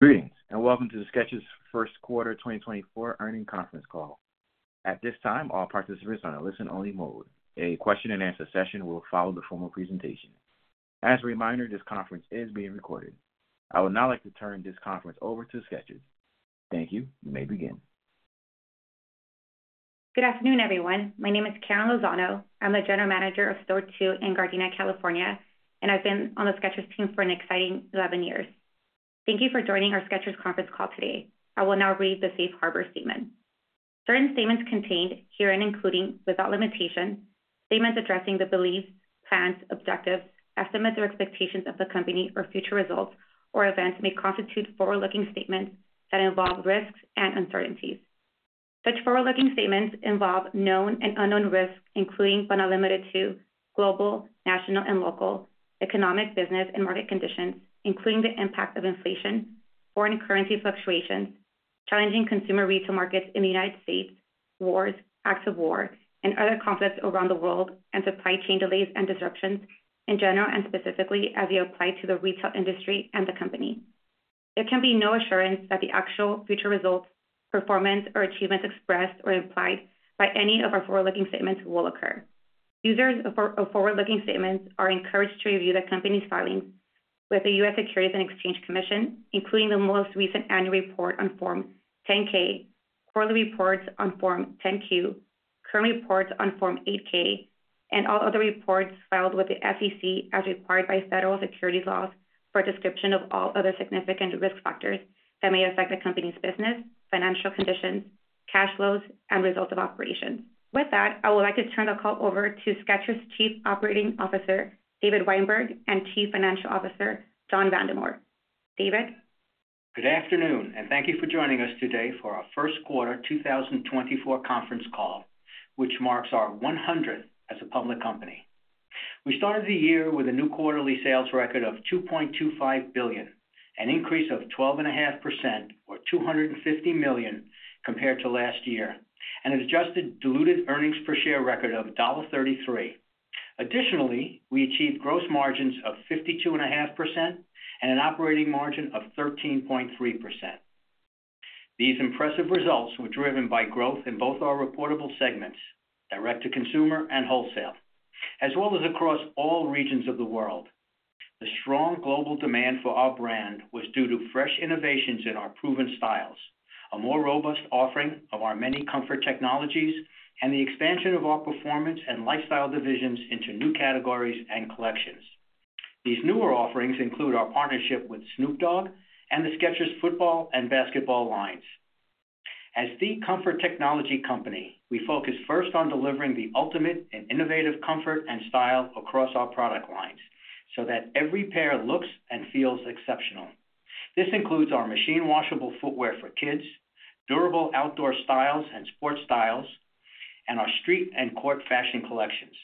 Greetings and welcome to the Skechers First Quarter 2024 Earnings Conference Call. At this time, all participants are in a listen-only mode. A question-and-answer session will follow the formal presentation. As a reminder, this conference is being recorded. I would now like to turn this conference over to Skechers. Thank you. You may begin. Good afternoon, everyone. My name is Karen Lozano. I'm the General Manager of Store 2 in Gardena, California, and I've been on the Skechers team for an exciting 11 years. Thank you for joining our Skechers Conference Call today. I will now read the Safe Harbor statement. Certain statements contained herein, including without limitation, statements addressing the beliefs, plans, objectives, estimates or expectations of the company or future results or events may constitute forward-looking statements that involve risks and uncertainties. Such forward-looking statements involve known and unknown risks, including but not limited to global, national, and local, economic, business, and market conditions, including the impact of inflation, foreign currency fluctuations, challenging consumer retail markets in the United States, wars, acts of war, and other conflicts around the world, and supply chain delays and disruptions, in general and specifically as they apply to the retail industry and the company. There can be no assurance that the actual future results, performance, or achievements expressed or implied by any of our forward-looking statements will occur. Users of forward-looking statements are encouraged to review the company's filings with the U.S. Securities and Exchange Commission, including the most recent annual report on Form 10-K, quarterly reports on Form 10-Q, current reports on Form 8-K, and all other reports filed with the SEC as required by federal securities laws for a description of all other significant risk factors that may affect the company's business, financial conditions, cash flows, and results of operations. With that, I would like to turn the call over to Skechers Chief Operating Officer David Weinberg and Chief Financial Officer John Vandemore. David? Good afternoon, and thank you for joining us today for our First Quarter 2024 Conference Call, which marks our 100th as a public company. We started the year with a new quarterly sales record of $2.25 billion, an increase of 12.5% or $250 million compared to last year, and an Adjusted Diluted Earnings Per Share record of $1.33. Additionally, we achieved Gross Margins of 52.5% and an Operating Margin of 13.3%. These impressive results were driven by growth in both our reportable segments, Direct-to-Consumer and Wholesale, as well as across all regions of the world. The strong global demand for our brand was due to fresh innovations in our proven styles, a more robust offering of our many comfort technologies, and the expansion of our performance and lifestyle divisions into new categories and collections. These newer offerings include our partnership with Snoop Dogg and the Skechers Football and Basketball lines. As the comfort technology company, we focus first on delivering the ultimate and innovative comfort and style across our product lines so that every pair looks and feels exceptional. This includes our machine-washable footwear for kids, durable outdoor styles and sports styles, and our street and court fashion collections.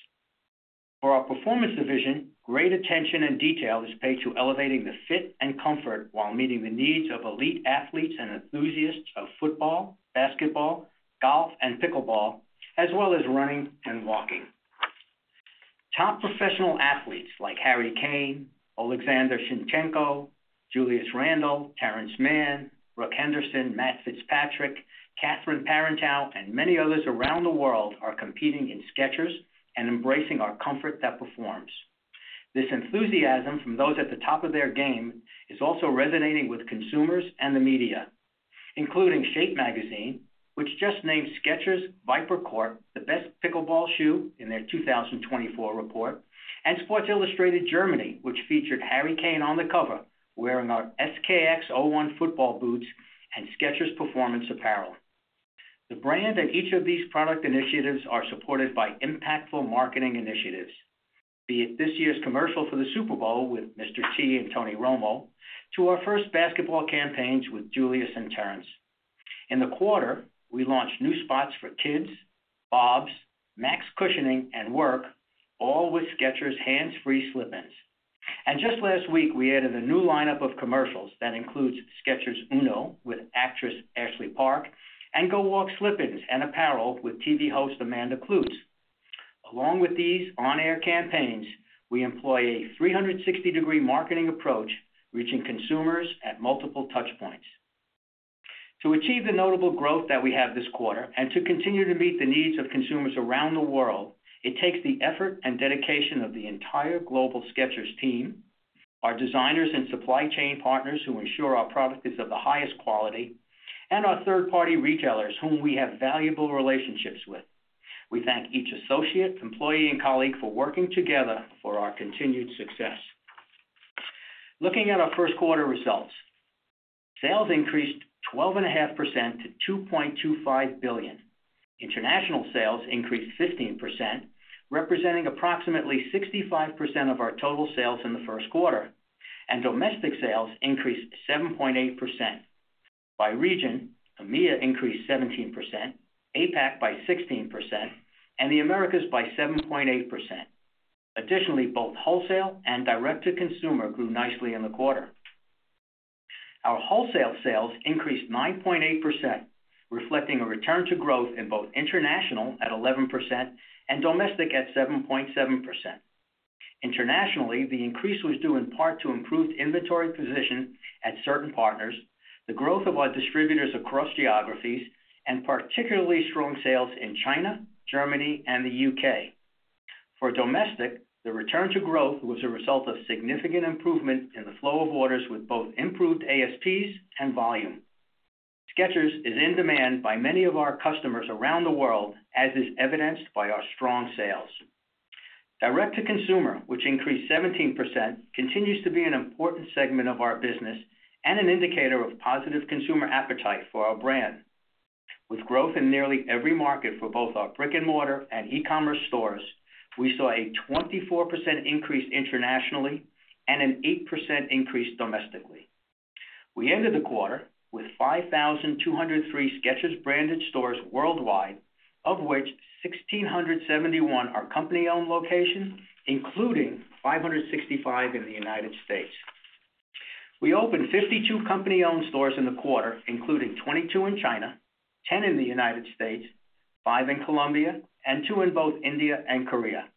For our performance division, great attention and detail is paid to elevating the fit and comfort while meeting the needs of elite athletes and enthusiasts of football, basketball, golf, and pickleball, as well as running and walking. Top professional athletes like Harry Kane, Oleksandr Zinchenko, Julius Randle, Terrence Mann, Brooke Henderson, Matt Fitzpatrick, Catherine Parenteau, and many others around the world are competing in Skechers and embracing our comfort that performs. This enthusiasm from those at the top of their game is also resonating with consumers and the media, including Shape magazine, which just named Skechers Viper Court the best pickleball shoe in their 2024 report, and Sports Illustrated Germany, which featured Harry Kane on the cover wearing our SKX-01 football boots and Skechers performance apparel. The brand and each of these product initiatives are supported by impactful marketing initiatives, be it this year's commercial for the Super Bowl with Mr. T and Tony Romo to our first basketball campaigns with Julius and Terrence. In the quarter, we launched new spots for Kids, BOBS, Max Cushioning, and Work, all with Skechers hands-free slippers. Just last week, we added a new lineup of commercials that includes Skechers Uno with actress Ashley Park and GO WALK slippers and apparel with TV host Amanda Kloots. Along with these on-air campaigns, we employ a 360-degree marketing approach reaching consumers at multiple touchpoints. To achieve the notable growth that we have this quarter and to continue to meet the needs of consumers around the world, it takes the effort and dedication of the entire global Skechers team, our designers and supply chain partners who ensure our product is of the highest quality, and our third-party retailers whom we have valuable relationships with. We thank each associate, employee, and colleague for working together for our continued success. Looking at our first quarter results, sales increased 12.5% to $2.25 billion. International sales increased 15%, representing approximately 65% of our total sales in the first quarter, and domestic sales increased 7.8%. By region, EMEA increased 17%, APAC by 16%, and the Americas by 7.8%. Additionally, both wholesale and direct-to-consumer grew nicely in the quarter. Our wholesale sales increased 9.8%, reflecting a return to growth in both international at 11% and domestic at 7.7%. Internationally, the increase was due in part to improved inventory position at certain partners, the growth of our distributors across geographies, and particularly strong sales in China, Germany, and the UK. For domestic, the return to growth was a result of significant improvement in the flow of orders with both improved ASPs and volume. Skechers is in demand by many of our customers around the world, as is evidenced by our strong sales. Direct-to-consumer, which increased 17%, continues to be an important segment of our business and an indicator of positive consumer appetite for our brand. With growth in nearly every market for both our brick-and-mortar and e-commerce stores, we saw a 24% increase internationally and an 8% increase domestically. We ended the quarter with 5,203 Skechers branded stores worldwide, of which 1,671 are company-owned locations, including 565 in the United States. We opened 52 company-owned stores in the quarter, including 22 in China, 10 in the United States, 5 in Colombia, and 2 in both India and Korea.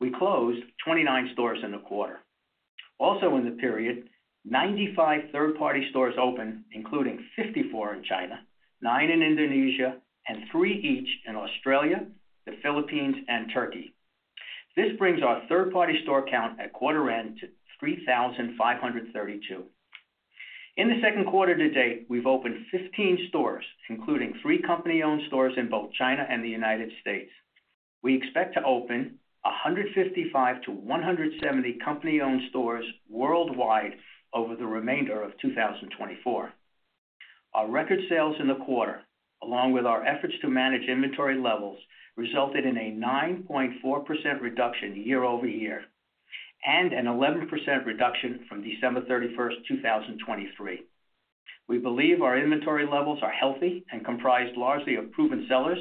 We closed 29 stores in the quarter. Also in the period, 95 third-party stores opened, including 54 in China, 9 in Indonesia, and 3 each in Australia, the Philippines, and Turkey. This brings our third-party store count at quarter-end to 3,532. In the second quarter to date, we've opened 15 stores, including 3 company-owned stores in both China and the United States. We expect to open 155-170 company-owned stores worldwide over the remainder of 2024. Our record sales in the quarter, along with our efforts to manage inventory levels, resulted in a 9.4% reduction year over year and an 11% reduction from December 31st, 2023. We believe our inventory levels are healthy and comprised largely of proven sellers,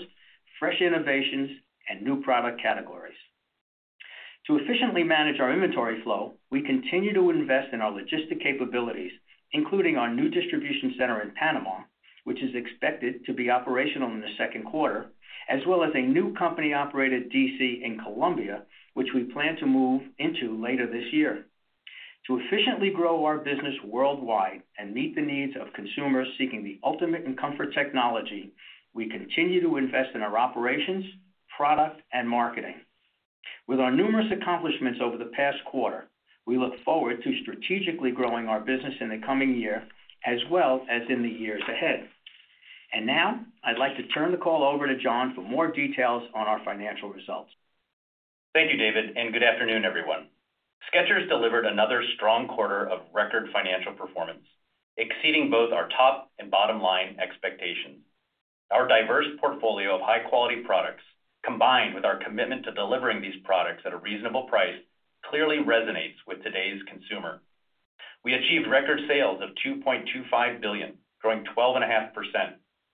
fresh innovations, and new product categories. To efficiently manage our inventory flow, we continue to invest in our logistics capabilities, including our new distribution center in Panama, which is expected to be operational in the second quarter, as well as a new company-operated DC in Colombia, which we plan to move into later this year. To efficiently grow our business worldwide and meet the needs of consumers seeking the ultimate in comfort technology, we continue to invest in our operations, product, and marketing. With our numerous accomplishments over the past quarter, we look forward to strategically growing our business in the coming year as well as in the years ahead. Now, I'd like to turn the call over to John for more details on our financial results. Thank you, David, and good afternoon, everyone. Skechers delivered another strong quarter of record financial performance, exceeding both our top and bottom-line expectations. Our diverse portfolio of high-quality products, combined with our commitment to delivering these products at a reasonable price, clearly resonates with today's consumer. We achieved record sales of $2.25 billion, growing 12.5%,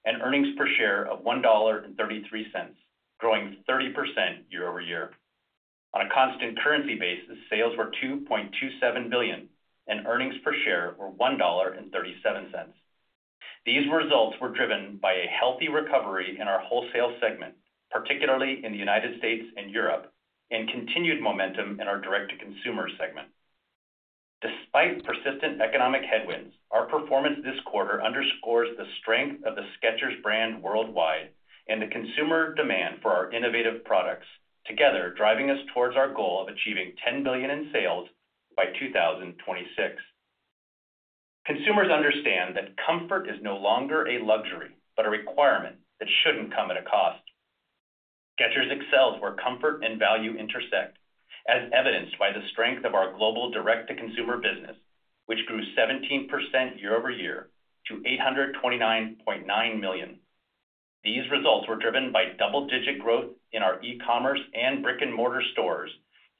and earnings per share of $1.33, growing 30% year-over-year. On a constant currency basis, sales were $2.27 billion, and earnings per share were $1.37. These results were driven by a healthy recovery in our wholesale segment, particularly in the United States and Europe, and continued momentum in our direct-to-consumer segment. Despite persistent economic headwinds, our performance this quarter underscores the strength of the Skechers brand worldwide and the consumer demand for our innovative products, together driving us towards our goal of achieving $10 billion in sales by 2026. Consumers understand that comfort is no longer a luxury but a requirement that shouldn't come at a cost. Skechers excels where comfort and value intersect, as evidenced by the strength of our global direct-to-consumer business, which grew 17% year-over-year to $829.9 million. These results were driven by double-digit growth in our e-commerce and brick-and-mortar stores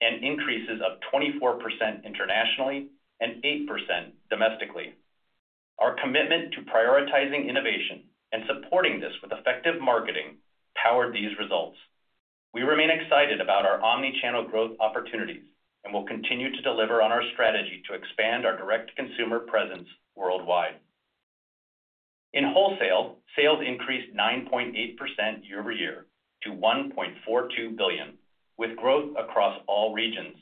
and increases of 24% internationally and 8% domestically. Our commitment to prioritizing innovation and supporting this with effective marketing powered these results. We remain excited about our omnichannel growth opportunities and will continue to deliver on our strategy to expand our direct-to-consumer presence worldwide. In wholesale, sales increased 9.8% year-over-year to $1.42 billion, with growth across all regions.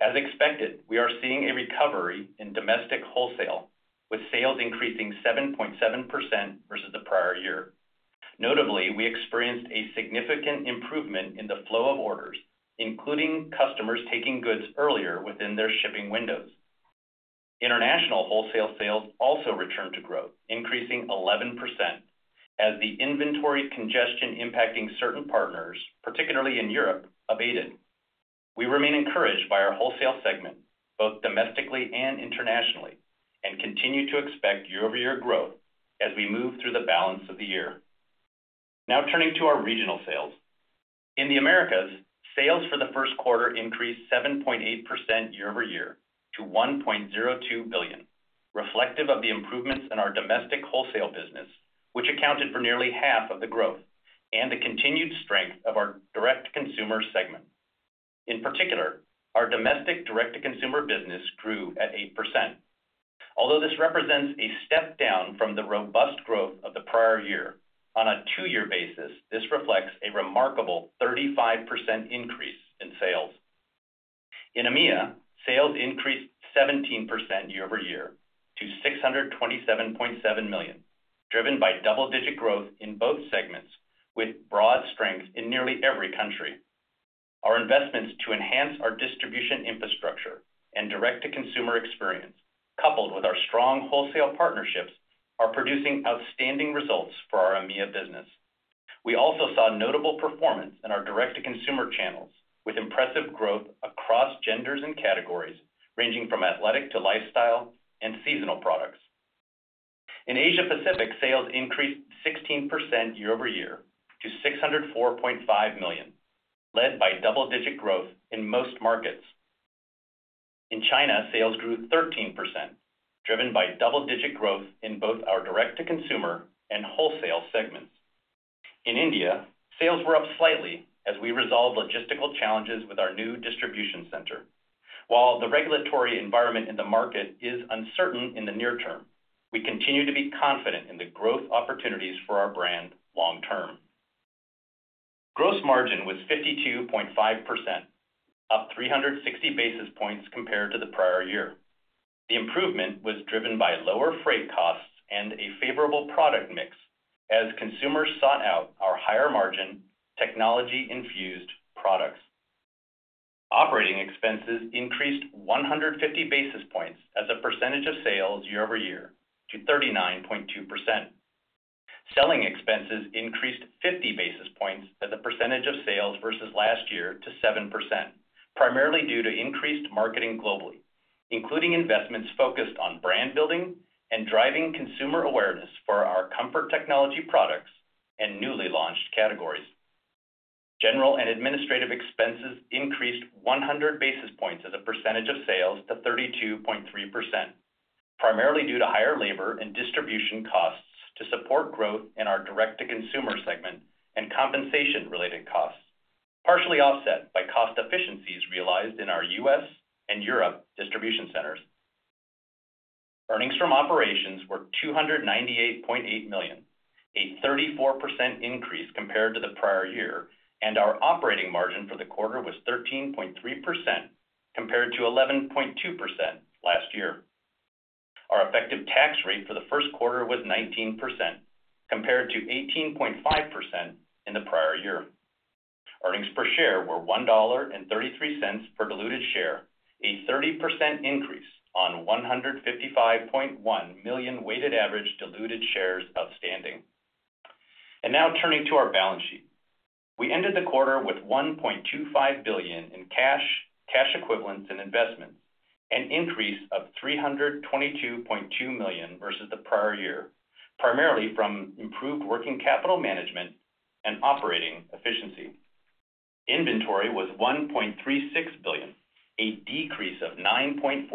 As expected, we are seeing a recovery in domestic wholesale, with sales increasing 7.7% versus the prior year. Notably, we experienced a significant improvement in the flow of orders, including customers taking goods earlier within their shipping windows. International wholesale sales also returned to growth, increasing 11%, as the inventory congestion impacting certain partners, particularly in Europe, abated. We remain encouraged by our wholesale segment, both domestically and internationally, and continue to expect year-over-year growth as we move through the balance of the year. Now turning to our regional sales. In the Americas, sales for the first quarter increased 7.8% year-over-year to $1.02 billion, reflective of the improvements in our domestic wholesale business, which accounted for nearly half of the growth, and the continued strength of our direct-to-consumer segment. In particular, our domestic direct-to-consumer business grew at 8%. Although this represents a step down from the robust growth of the prior year, on a two-year basis, this reflects a remarkable 35% increase in sales. In EMEA, sales increased 17% year-over-year to $627.7 million, driven by double-digit growth in both segments, with broad strength in nearly every country. Our investments to enhance our distribution infrastructure and direct-to-consumer experience, coupled with our strong wholesale partnerships, are producing outstanding results for our EMEA business. We also saw notable performance in our direct-to-consumer channels, with impressive growth across genders and categories ranging from athletic to lifestyle and seasonal products. In Asia-Pacific, sales increased 16% year-over-year to $604.5 million, led by double-digit growth in most markets. In China, sales grew 13%, driven by double-digit growth in both our direct-to-consumer and wholesale segments. In India, sales were up slightly as we resolved logistical challenges with our new distribution center. While the regulatory environment in the market is uncertain in the near term, we continue to be confident in the growth opportunities for our brand long term. Gross margin was 52.5%, up 360 basis points compared to the prior year. The improvement was driven by lower freight costs and a favorable product mix as consumers sought out our higher-margin, technology-infused products. Operating expenses increased 150 basis points as a percentage of sales year-over-year to 39.2%. Selling expenses increased 50 basis points as a percentage of sales versus last year to 7%, primarily due to increased marketing globally, including investments focused on brand building and driving consumer awareness for our comfort technology products and newly launched categories. General and administrative expenses increased 100 basis points as a percentage of sales to 32.3%, primarily due to higher labor and distribution costs to support growth in our direct-to-consumer segment and compensation-related costs, partially offset by cost efficiencies realized in our U.S. and Europe distribution centers. Earnings from operations were $298.8 million, a 34% increase compared to the prior year, and our operating margin for the quarter was 13.3% compared to 11.2% last year. Our effective tax rate for the first quarter was 19%, compared to 18.5% in the prior year. Earnings per share were $1.33 per diluted share, a 30% increase on 155.1 million weighted average diluted shares outstanding. Now turning to our balance sheet. We ended the quarter with $1.25 billion in cash, cash equivalents, and investments, an increase of $322.2 million versus the prior year, primarily from improved working capital management and operating efficiency. Inventory was $1.36 billion, a decrease of 9.4%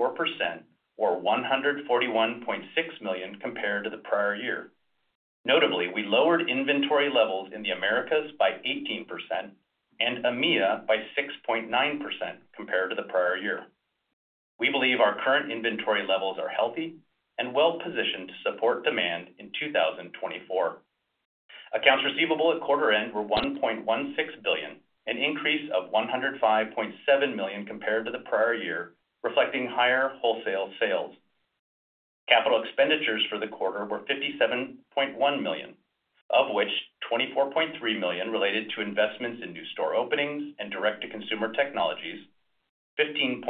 or $141.6 million compared to the prior year. Notably, we lowered inventory levels in the Americas by 18% and EMEA by 6.9% compared to the prior year. We believe our current inventory levels are healthy and well-positioned to support demand in 2024. Accounts receivable at quarter-end were $1.16 billion, an increase of $105.7 million compared to the prior year, reflecting higher wholesale sales. Capital expenditures for the quarter were $57.1 million, of which $24.3 million related to investments in new store openings and direct-to-consumer technologies, $15.6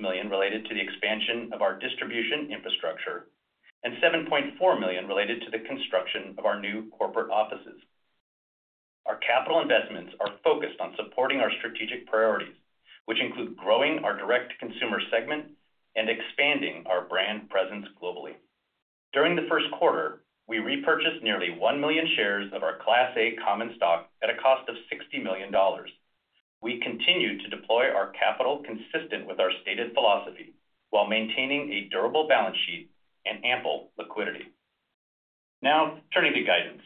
million related to the expansion of our distribution infrastructure, and $7.4 million related to the construction of our new corporate offices. Our capital investments are focused on supporting our strategic priorities, which include growing our direct-to-consumer segment and expanding our brand presence globally. During the first quarter, we repurchased nearly 1 million shares of our Class A common stock at a cost of $60 million. We continue to deploy our capital consistent with our stated philosophy while maintaining a durable balance sheet and ample liquidity. Now turning to guidance.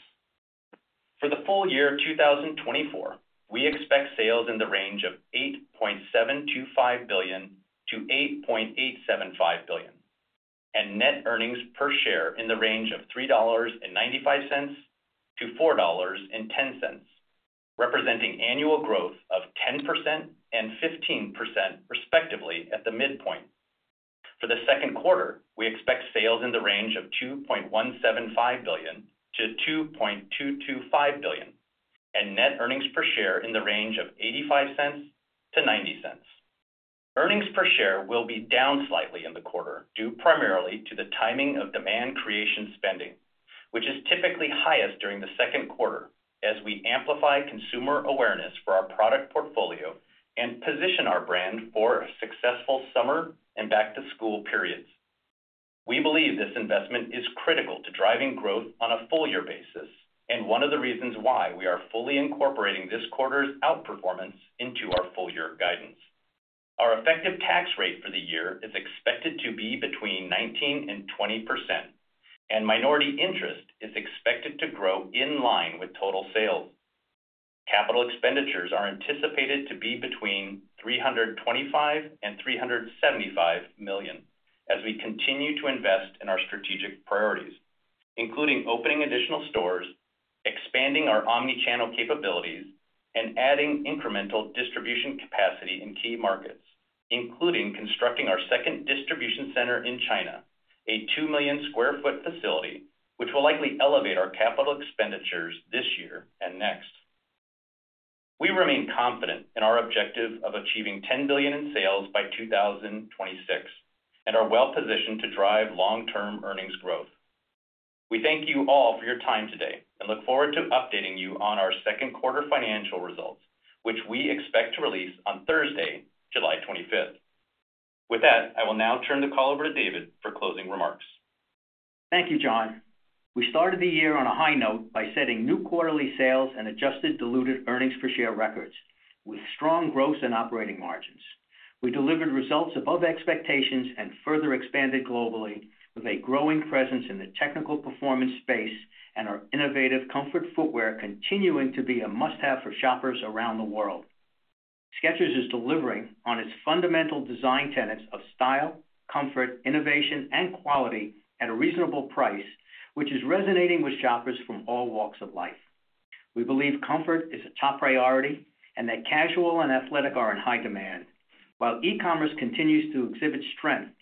For the full year 2024, we expect sales in the range of $8.725 billion-$8.875 billion, and net earnings per share in the range of $3.95-$4.10, representing annual growth of 10% and 15% respectively at the midpoint. For the second quarter, we expect sales in the range of $2.175 billion-$2.225 billion, and net earnings per share in the range of $0.85-$0.90. Earnings per share will be down slightly in the quarter due primarily to the timing of demand creation spending, which is typically highest during the second quarter as we amplify consumer awareness for our product portfolio and position our brand for successful summer and back-to-school periods. We believe this investment is critical to driving growth on a full-year basis and one of the reasons why we are fully incorporating this quarter's outperformance into our full-year guidance. Our effective tax rate for the year is expected to be between 19%-20%, and minority interest is expected to grow in line with total sales. Capital expenditures are anticipated to be between $325-$375 million as we continue to invest in our strategic priorities, including opening additional stores, expanding our omnichannel capabilities, and adding incremental distribution capacity in key markets, including constructing our second distribution center in China, a 2 million sq ft facility, which will likely elevate our capital expenditures this year and next. We remain confident in our objective of achieving $10 billion in sales by 2026 and are well-positioned to drive long-term earnings growth. We thank you all for your time today and look forward to updating you on our second quarter financial results, which we expect to release on Thursday, July 25th. With that, I will now turn the call over to David for closing remarks. Thank you, John. We started the year on a high note by setting new quarterly sales and Adjusted Diluted Earnings Per Share records, with strong growth and operating margins. We delivered results above expectations and further expanded globally with a growing presence in the technical performance space and our innovative comfort footwear continuing to be a must-have for shoppers around the world. Skechers is delivering on its fundamental design tenets of style, comfort, innovation, and quality at a reasonable price, which is resonating with shoppers from all walks of life. We believe comfort is a top priority and that casual and athletic are in high demand. While e-commerce continues to exhibit strength,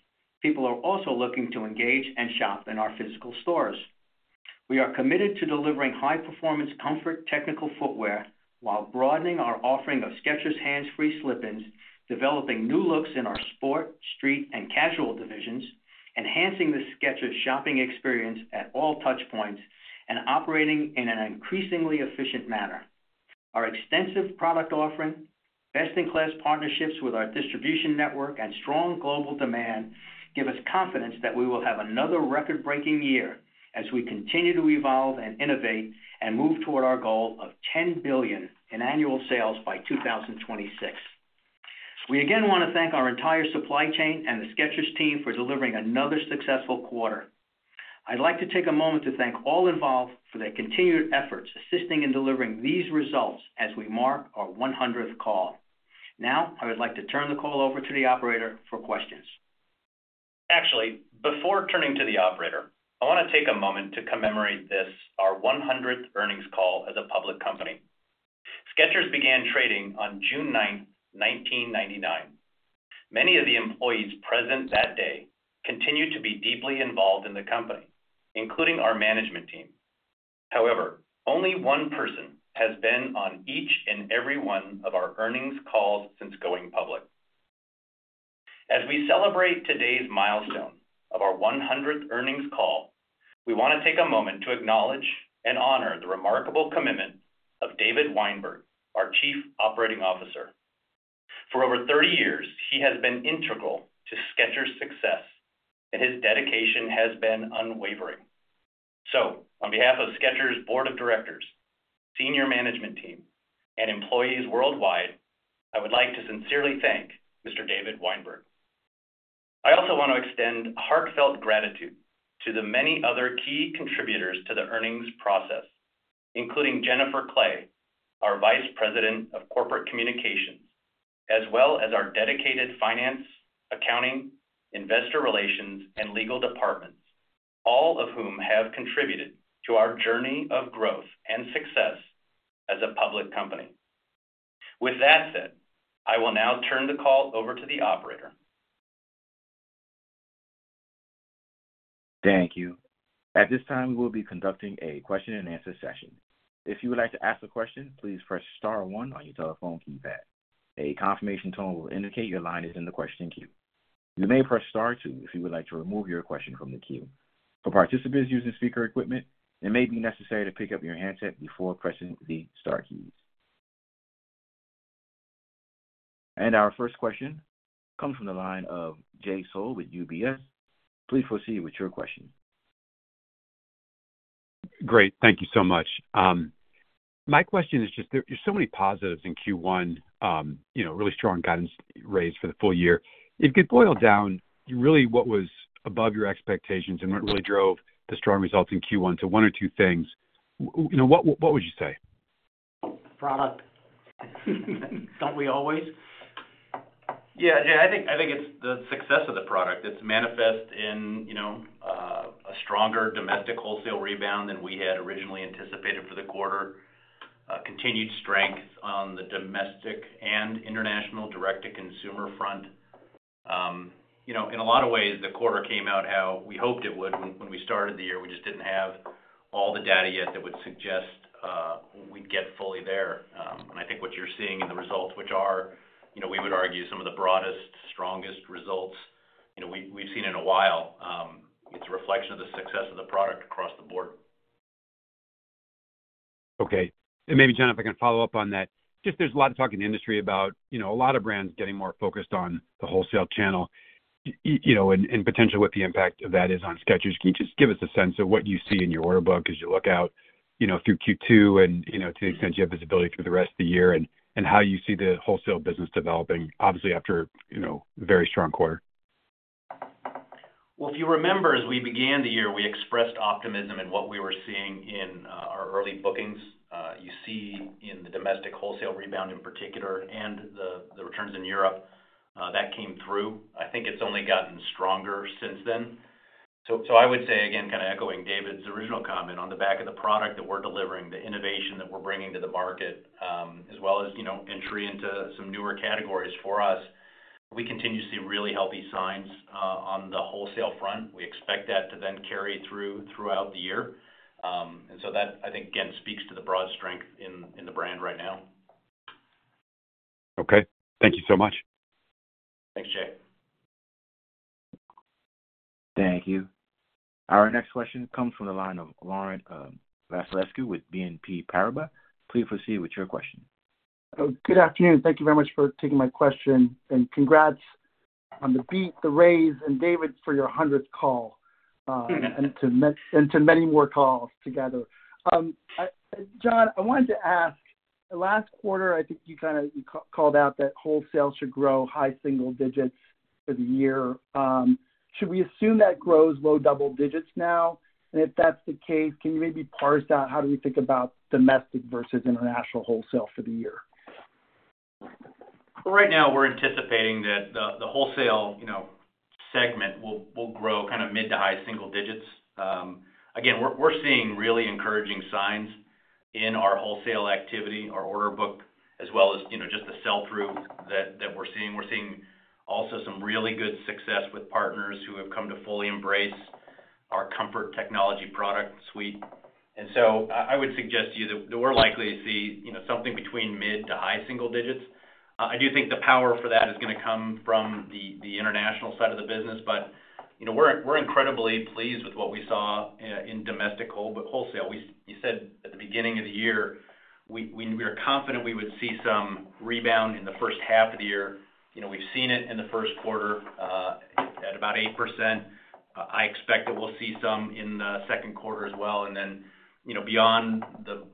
people are also looking to engage and shop in our physical stores. We are committed to delivering high-performance comfort technical footwear while broadening our offering of Skechers Hands Free Slip-ins, developing new looks in our sport, street, and casual divisions, enhancing the Skechers shopping experience at all touchpoints, and operating in an increasingly efficient manner. Our extensive product offering, best-in-class partnerships with our distribution network, and strong global demand give us confidence that we will have another record-breaking year as we continue to evolve and innovate and move toward our goal of $10 billion in annual sales by 2026. We again want to thank our entire supply chain and the Skechers team for delivering another successful quarter. I'd like to take a moment to thank all involved for their continued efforts assisting in delivering these results as we mark our 100th call. Now I would like to turn the call over to the operator for questions. Actually, before turning to the operator, I want to take a moment to commemorate this, our 100th earnings call as a public company. Skechers began trading on June 9th, 1999. Many of the employees present that day continue to be deeply involved in the company, including our management team. However, only one person has been on each and every one of our earnings calls since going public. As we celebrate today's milestone of our 100th earnings call, we want to take a moment to acknowledge and honor the remarkable commitment of David Weinberg, our Chief Operating Officer. For over 30 years, he has been integral to Skechers' success, and his dedication has been unwavering. So, on behalf of Skechers' Board of Directors, senior management team, and employees worldwide, I would like to sincerely thank Mr. David Weinberg. I also want to extend heartfelt gratitude to the many other key contributors to the earnings process, including Jennifer Clay, our Vice President of Corporate Communications, as well as our dedicated finance, accounting, investor relations, and legal departments, all of whom have contributed to our journey of growth and success as a public company. With that said, I will now turn the call over to the operator. Thank you. At this time, we will be conducting a question-and-answer session. If you would like to ask a question, please press Star 1 on your telephone keypad. A confirmation tone will indicate your line is in the question queue. You may press Star 2 if you would like to remove your question from the queue. For participants using speaker equipment, it may be necessary to pick up your handset before pressing the Star keys. Our first question comes from the line of Jay Sole with UBS. Please proceed with your question. Great. Thank you so much. My question is just there's so many positives in Q1, really strong guidance raised for the full year. If you could boil down really what was above your expectations and what really drove the strong results in Q1 to one or two things, what would you say? Product. Don't we always? Yeah, I think it's the success of the product. It's manifest in a stronger domestic wholesale rebound than we had originally anticipated for the quarter, continued strength on the domestic and international direct-to-consumer front. In a lot of ways, the quarter came out how we hoped it would when we started the year. We just didn't have all the data yet that would suggest we'd get fully there. And I think what you're seeing in the results, which are, we would argue, some of the broadest, strongest results we've seen in a while, it's a reflection of the success of the product across the board. Okay. And maybe, Jennifer, I can follow up on that. Just there's a lot of talk in the industry about a lot of brands getting more focused on the wholesale channel and potentially what the impact of that is on Skechers. Can you just give us a sense of what you see in your order book as you look out through Q2 and to the extent you have visibility through the rest of the year and how you see the wholesale business developing, obviously, after a very strong quarter? Well, if you remember, as we began the year, we expressed optimism in what we were seeing in our early bookings. You see in the domestic wholesale rebound in particular and the returns in Europe. That came through. I think it's only gotten stronger since then. So I would say, again, kind of echoing David's original comment, on the back of the product that we're delivering, the innovation that we're bringing to the market, as well as entry into some newer categories for us, we continue to see really healthy signs on the wholesale front. We expect that to then carry through throughout the year. And so that, I think, again, speaks to the broad strength in the brand right now. Okay. Thank you so much. Thanks, Jay. Thank you. Our next question comes from the line of Laurent Vasilescu with BNP Paribas. Please proceed with your question. Good afternoon. Thank you very much for taking my question. Congrats on the beat, the raise, and David for your 100th call and to many more calls together. John, I wanted to ask, last quarter, I think you kind of called out that wholesale should grow high single digits for the year. Should we assume that grows low double digits now? And if that's the case, can you maybe parse out how do we think about domestic versus international wholesale for the year? Well, right now, we're anticipating that the wholesale segment will grow kind of mid- to high-single-digits. Again, we're seeing really encouraging signs in our wholesale activity, our order book, as well as just the sell-through that we're seeing. We're seeing also some really good success with partners who have come to fully embrace our comfort technology product suite. And so I would suggest to you that we're likely to see something between mid- to high-single-digits. I do think the power for that is going to come from the international side of the business, but we're incredibly pleased with what we saw in domestic wholesale. You said at the beginning of the year, we were confident we would see some rebound in the first half of the year. We've seen it in the first quarter at about 8%. I expect that we'll see some in the second quarter as well. And then beyond the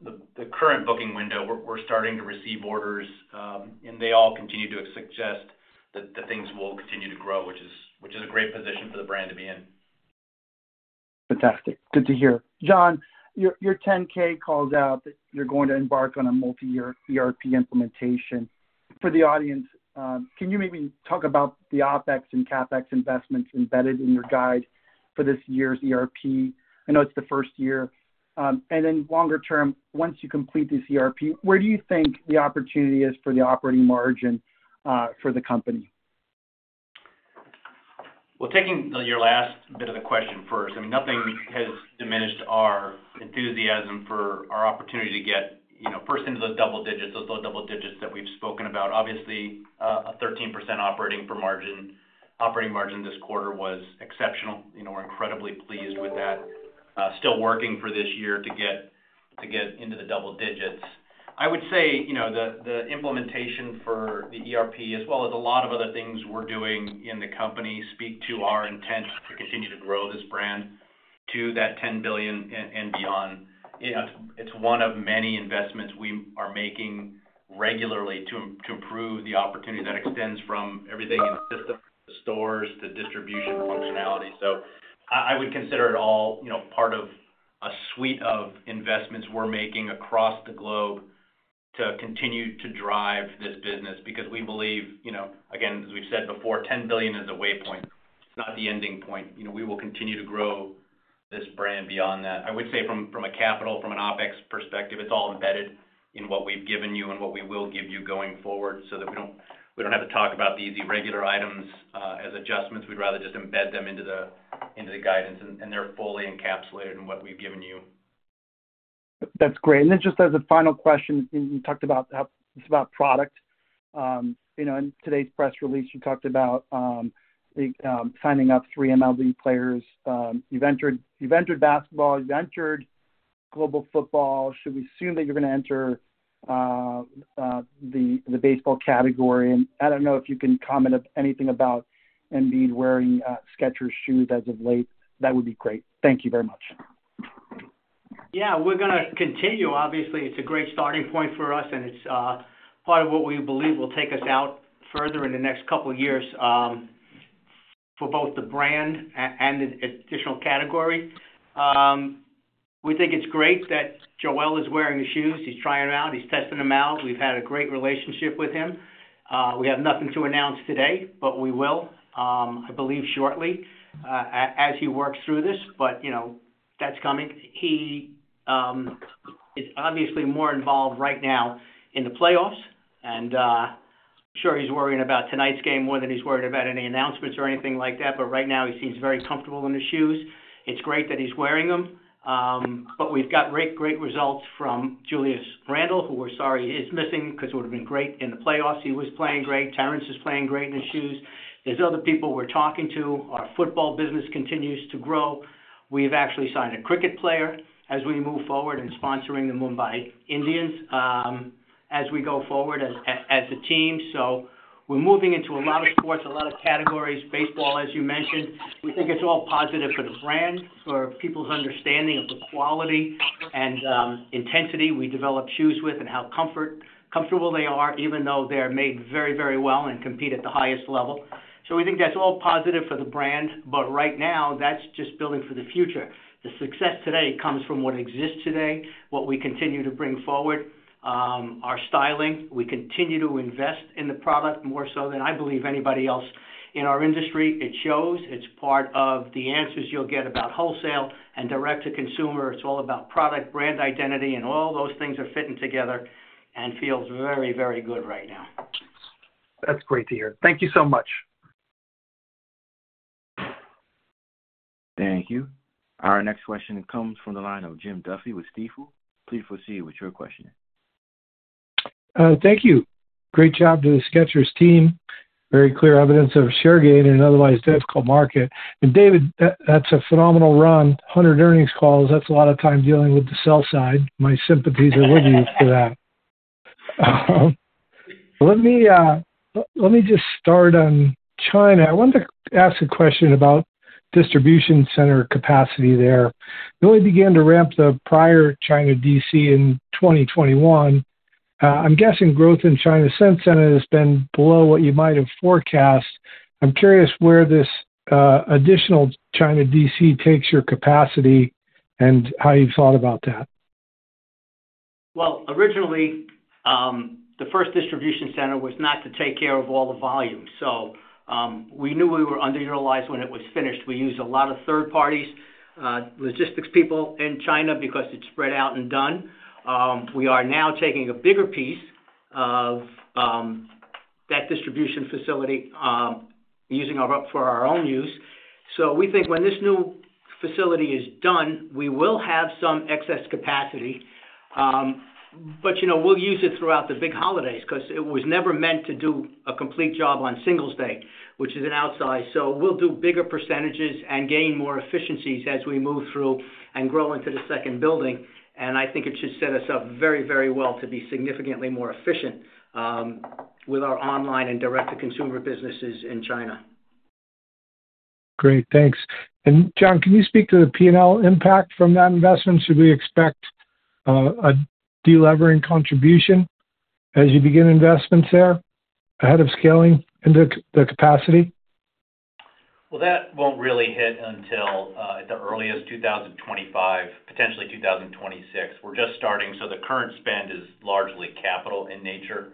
current booking window, we're starting to receive orders, and they all continue to suggest that things will continue to grow, which is a great position for the brand to be in. Fantastic. Good to hear. John, your 10-K calls out that you're going to embark on a multi-year ERP implementation. For the audience, can you maybe talk about the OpEx and CapEx investments embedded in your guide for this year's ERP? I know it's the first year. Then longer term, once you complete this ERP, where do you think the opportunity is for the operating margin for the company? Well, taking your last bit of the question first, I mean, nothing has diminished our enthusiasm for our opportunity to get first into those double digits, those low double digits that we've spoken about. Obviously, a 13% operating margin this quarter was exceptional. We're incredibly pleased with that. Still working for this year to get into the double digits. I would say the implementation for the ERP, as well as a lot of other things we're doing in the company, speak to our intent to continue to grow this brand to that 10 billion and beyond. It's one of many investments we are making regularly to improve the opportunity that extends from everything in the system, the stores, to distribution functionality. So I would consider it all part of a suite of investments we're making across the globe to continue to drive this business because we believe, again, as we've said before, $10 billion is the waypoint. It's not the ending point. We will continue to grow this brand beyond that. I would say from a CapEx, from an OpEx perspective, it's all embedded in what we've given you and what we will give you going forward so that we don't have to talk about these irregular items as adjustments. We'd rather just embed them into the guidance, and they're fully encapsulated in what we've given you. That's great. And then just as a final question, you talked about it's about product. In today's press release, you talked about signing up three MLB players. You've entered basketball. You've entered global football. Should we assume that you're going to enter the baseball category? And I don't know if you can comment anything about Embiid wearing Skechers shoes as of late. That would be great. Thank you very much. Yeah, we're going to continue. Obviously, it's a great starting point for us, and it's part of what we believe will take us out further in the next couple of years for both the brand and the additional category. We think it's great that Joel is wearing the shoes. He's trying them out. He's testing them out. We've had a great relationship with him. We have nothing to announce today, but we will, I believe, shortly as he works through this. But that's coming. He is obviously more involved right now in the playoffs, and I'm sure he's worried about tonight's game more than he's worried about any announcements or anything like that. But right now, he seems very comfortable in the shoes. It's great that he's wearing them. But we've got great results from Julius Randle, who we're sorry is missing because it would have been great in the playoffs. He was playing great. Terrence is playing great in the shoes. There's other people we're talking to. Our football business continues to grow. We've actually signed a cricket player as we move forward in sponsoring the Mumbai Indians as we go forward as a team. So we're moving into a lot of sports, a lot of categories. Baseball, as you mentioned, we think it's all positive for the brand, for people's understanding of the quality and intensity we develop shoes with and how comfortable they are, even though they're made very, very well and compete at the highest level. So we think that's all positive for the brand. But right now, that's just building for the future. The success today comes from what exists today, what we continue to bring forward, our styling. We continue to invest in the product more so than I believe anybody else in our industry. It shows. It's part of the answers you'll get about wholesale and direct-to-consumer. It's all about product, brand identity, and all those things are fitting together and feels very, very good right now. That's great to hear. Thank you so much. Thank you. Our next question comes from the line of Jim Duffy with Stifel. Please proceed with your question. Thank you. Great job to the Skechers team. Very clear evidence of share gain in an otherwise difficult market. David, that's a phenomenal run. 100 earnings calls. That's a lot of time dealing with the sell side. My sympathies are with you for that. Let me just start on China. I wanted to ask a question about distribution center capacity there. You only began to ramp the prior China DC in 2021. I'm guessing growth in China's center has been below what you might have forecast. I'm curious where this additional China DC takes your capacity and how you've thought about that. Well, originally, the first distribution center was not to take care of all the volume. So we knew we were underutilized when it was finished. We used a lot of third parties, logistics people in China because it's spread out and done. We are now taking a bigger piece of that distribution facility for our own use. So we think when this new facility is done, we will have some excess capacity, but we'll use it throughout the big holidays because it was never meant to do a complete job on Singles Day, which is an outsize. So we'll do bigger percentages and gain more efficiencies as we move through and grow into the second building. And I think it should set us up very, very well to be significantly more efficient with our online and direct-to-consumer businesses in China. Great. Thanks. John, can you speak to the P&L impact from that investment? Should we expect a delevering contribution as you begin investments there ahead of scaling into the capacity? Well, that won't really hit until at the earliest 2025, potentially 2026. We're just starting. So the current spend is largely capital in nature.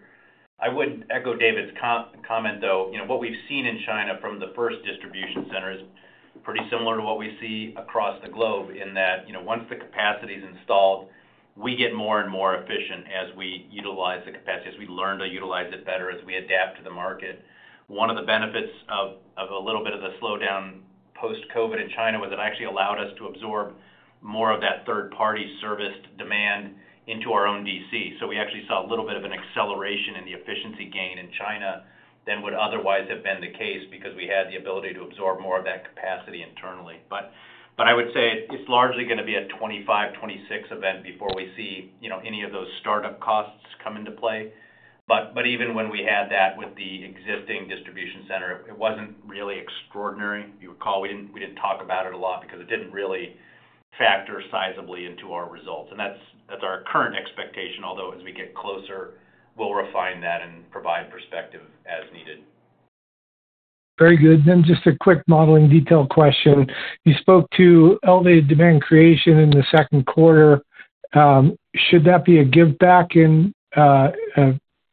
I would echo David's comment, though. What we've seen in China from the first distribution center is pretty similar to what we see across the globe in that once the capacity is installed, we get more and more efficient as we utilize the capacity, as we learn to utilize it better, as we adapt to the market. One of the benefits of a little bit of the slowdown post-COVID in China was it actually allowed us to absorb more of that third-party serviced demand into our own DC. So we actually saw a little bit of an acceleration in the efficiency gain in China than would otherwise have been the case because we had the ability to absorb more of that capacity internally. I would say it's largely going to be a 2025, 2026 event before we see any of those startup costs come into play. Even when we had that with the existing distribution center, it wasn't really extraordinary. If you recall, we didn't talk about it a lot because it didn't really factor sizably into our results. That's our current expectation, although as we get closer, we'll refine that and provide perspective as needed. Very good. Then just a quick modeling detail question. You spoke to elevated demand creation in the second quarter. Should that be a give-back in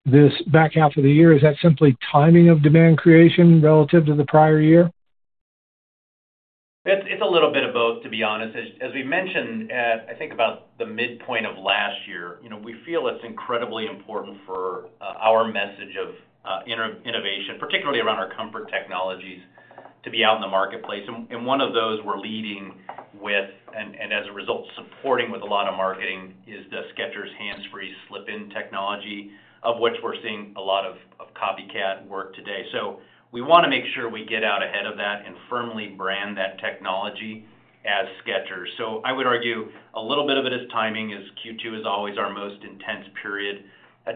this back half of the year? Is that simply timing of demand creation relative to the prior year? It's a little bit of both, to be honest. As we mentioned, I think about the midpoint of last year, we feel it's incredibly important for our message of innovation, particularly around our comfort technologies, to be out in the marketplace. And one of those we're leading with and as a result, supporting with a lot of marketing is the Skechers hands-free slip-in technology of which we're seeing a lot of copycat work today. So we want to make sure we get out ahead of that and firmly brand that technology as Skechers. So I would argue a little bit of it is timing as Q2 is always our most intense period.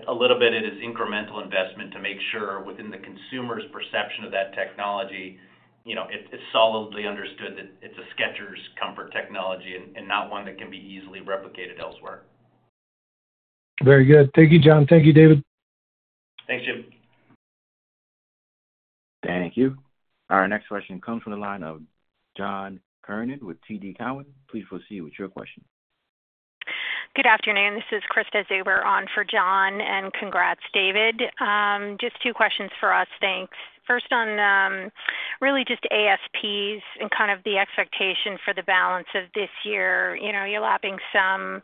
A little bit, it is incremental investment to make sure within the consumer's perception of that technology, it's solidly understood that it's a Skechers comfort technology and not one that can be easily replicated elsewhere. Very good. Thank you, John. Thank you, David. Thanks, Jim. Thank you. Our next question comes from the line of John Kernan with TD Cowen. Please proceed with your question. Good afternoon. This is Krista Zuber on for John. And congrats, David. Just two questions for us. Thanks. First, on really just ASPs and kind of the expectation for the balance of this year. You're lapping some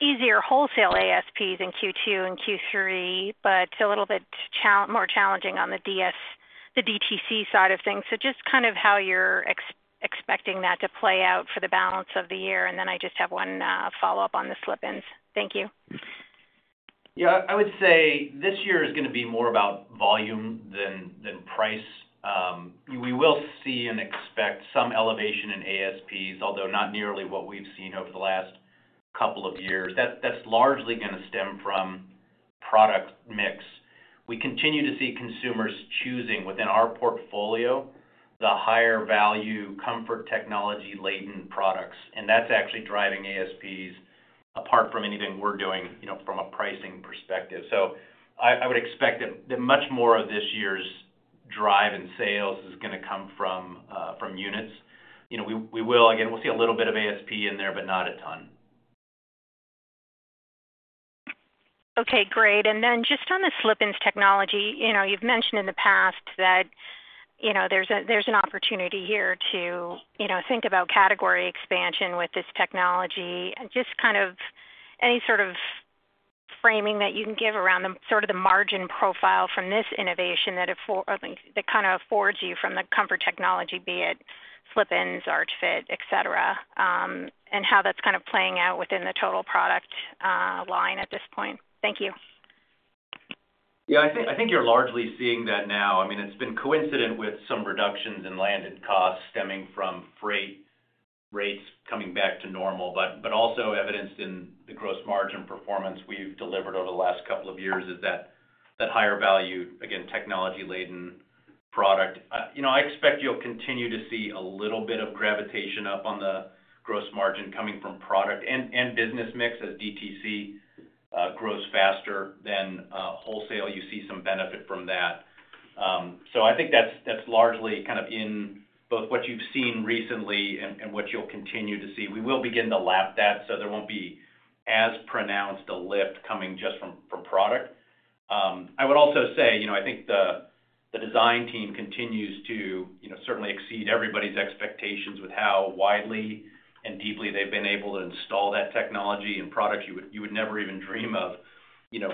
easier wholesale ASPs in Q2 and Q3, but it's a little bit more challenging on the DTC side of things. So just kind of how you're expecting that to play out for the balance of the year. And then I just have one follow-up on the slip-ins. Thank you. Yeah, I would say this year is going to be more about volume than price. We will see and expect some elevation in ASPs, although not nearly what we've seen over the last couple of years. That's largely going to stem from product mix. We continue to see consumers choosing within our portfolio the higher-value comfort technology-laden products. And that's actually driving ASPs apart from anything we're doing from a pricing perspective. So I would expect that much more of this year's drive in sales is going to come from units. Again, we'll see a little bit of ASP in there, but not a ton. Okay, great. And then just on the slip-ins technology, you've mentioned in the past that there's an opportunity here to think about category expansion with this technology and just kind of any sort of framing that you can give around sort of the margin profile from this innovation that kind of affords you from the comfort technology, be it slip-ins, arch fit, etc., and how that's kind of playing out within the total product line at this point. Thank you. Yeah, I think you're largely seeing that now. I mean, it's been coincident with some reductions in landed costs stemming from freight rates coming back to normal, but also evidenced in the gross margin performance we've delivered over the last couple of years, is that higher value, again, technology-laden product. I expect you'll continue to see a little bit of gravitation up on the gross margin coming from product and business mix as DTC grows faster than wholesale. You see some benefit from that. So I think that's largely kind of in both what you've seen recently and what you'll continue to see. We will begin to lap that, so there won't be as pronounced a lift coming just from product. I would also say I think the design team continues to certainly exceed everybody's expectations with how widely and deeply they've been able to install that technology in products you would never even dream of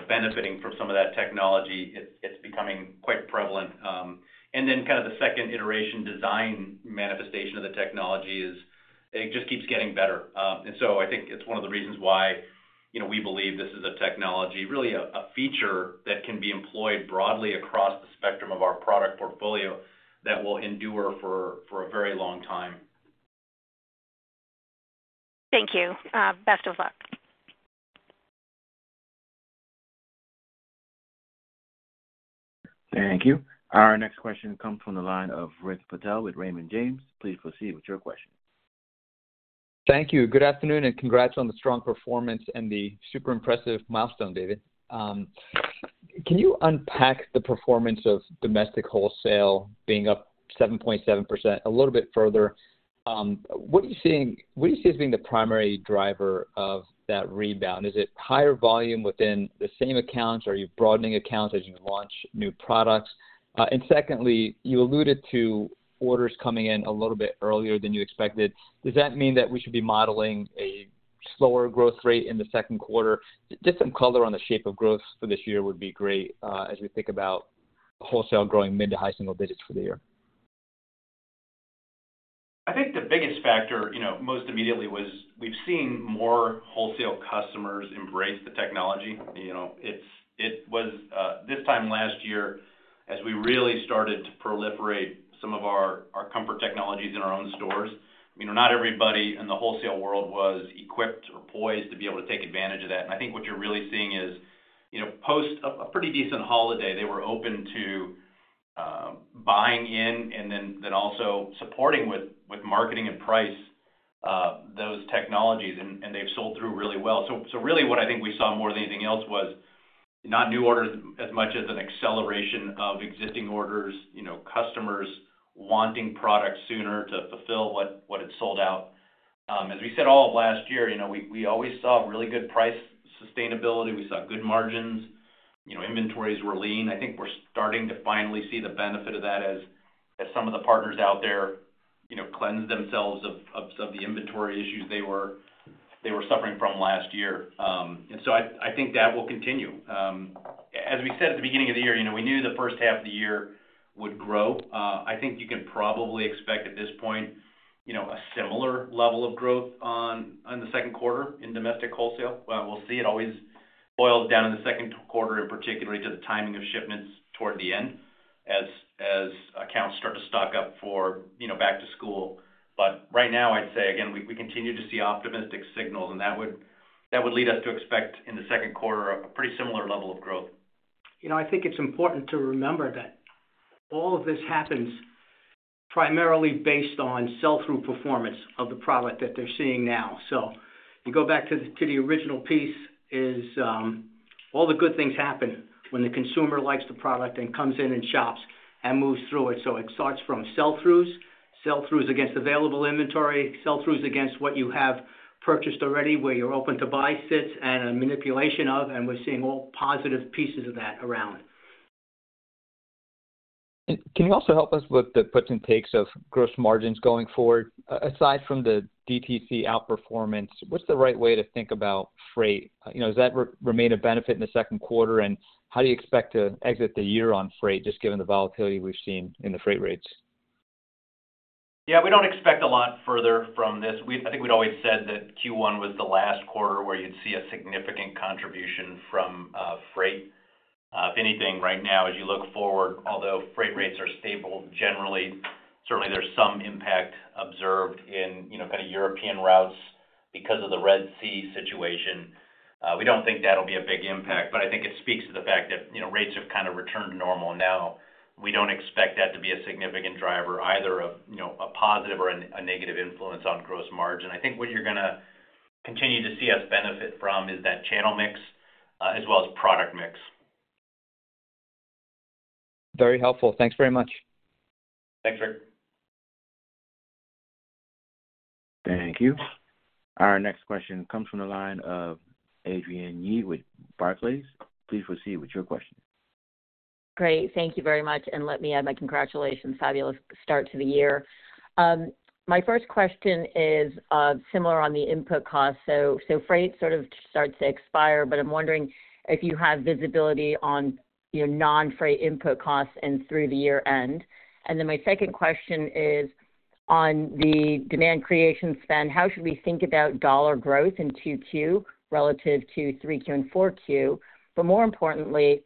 benefiting from some of that technology. It's becoming quite prevalent. And then kind of the second iteration design manifestation of the technology is it just keeps getting better. And so I think it's one of the reasons why we believe this is a technology, really a feature that can be employed broadly across the spectrum of our product portfolio that will endure for a very long time. Thank you. Best of luck. Thank you. Our next question comes from the line of Rick Patel with Raymond James. Please proceed with your question. Thank you. Good afternoon and congrats on the strong performance and the super impressive milestone, David. Can you unpack the performance of domestic wholesale being up 7.7% a little bit further? What are you seeing? What do you see as being the primary driver of that rebound? Is it higher volume within the same accounts? Are you broadening accounts as you launch new products? And secondly, you alluded to orders coming in a little bit earlier than you expected. Does that mean that we should be modeling a slower growth rate in the second quarter? Just some color on the shape of growth for this year would be great as we think about wholesale growing mid- to high-single-digits for the year. I think the biggest factor most immediately was we've seen more wholesale customers embrace the technology. It was this time last year as we really started to proliferate some of our comfort technologies in our own stores. I mean, not everybody in the wholesale world was equipped or poised to be able to take advantage of that. I think what you're really seeing is post a pretty decent holiday, they were open to buying in and then also supporting with marketing and price those technologies, and they've sold through really well. Really, what I think we saw more than anything else was not new orders as much as an acceleration of existing orders, customers wanting products sooner to fulfill what had sold out. As we said all of last year, we always saw really good price sustainability. We saw good margins. Inventories were lean. I think we're starting to finally see the benefit of that as some of the partners out there cleanse themselves of the inventory issues they were suffering from last year. So I think that will continue. As we said at the beginning of the year, we knew the first half of the year would grow. I think you can probably expect at this point a similar level of growth on the second quarter in domestic wholesale. We'll see. It always boils down to the second quarter, and particularly to the timing of shipments toward the end as accounts start to stock up for back to school. But right now, I'd say, again, we continue to see optimistic signals, and that would lead us to expect in the second quarter a pretty similar level of growth. I think it's important to remember that all of this happens primarily based on sell-through performance of the product that they're seeing now. So you go back to the original piece, is all the good things happen when the consumer likes the product and comes in and shops and moves through it. So it starts from sell-throughs, sell-throughs against available inventory, sell-throughs against what you have purchased already, where you're open to buy sits and a manipulation of, and we're seeing all positive pieces of that around. Can you also help us with the puts and takes of gross margins going forward? Aside from the DTC outperformance, what's the right way to think about freight? Does that remain a benefit in the second quarter? And how do you expect to exit the year on freight just given the volatility we've seen in the freight rates? Yeah, we don't expect a lot further from this. I think we'd always said that Q1 was the last quarter where you'd see a significant contribution from freight. If anything, right now, as you look forward, although freight rates are stable generally, certainly there's some impact observed in kind of European routes because of the Red Sea situation. We don't think that'll be a big impact, but I think it speaks to the fact that rates have kind of returned to normal now. We don't expect that to be a significant driver either of a positive or a negative influence on gross margin. I think what you're going to continue to see us benefit from is that channel mix as well as product mix. Very helpful. Thanks very much. Thanks, Rick. Thank you. Our next question comes from the line of Adrienne Yih with Barclays. Please proceed with your question. Great. Thank you very much. Let me add my congratulations. Fabulous start to the year. My first question is similar on the input costs. So freight sort of starts to expire, but I'm wondering if you have visibility on non-freight input costs and through the year-end. Then my second question is on the demand creation spend, how should we think about dollar growth in Q2 relative to 3Q and 4Q? More importantly,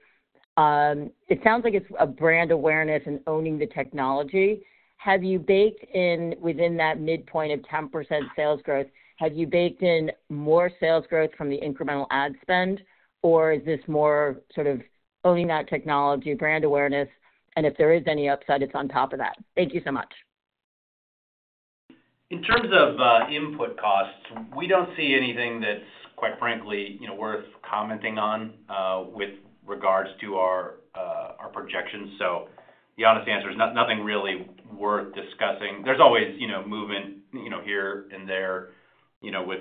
it sounds like it's a brand awareness and owning the technology. Within that midpoint of 10% sales growth, have you baked in more sales growth from the incremental ad spend, or is this more sort of owning that technology, brand awareness, and if there is any upside, it's on top of that? Thank you so much. In terms of input costs, we don't see anything that's, quite frankly, worth commenting on with regards to our projections. So the honest answer is nothing really worth discussing. There's always movement here and there with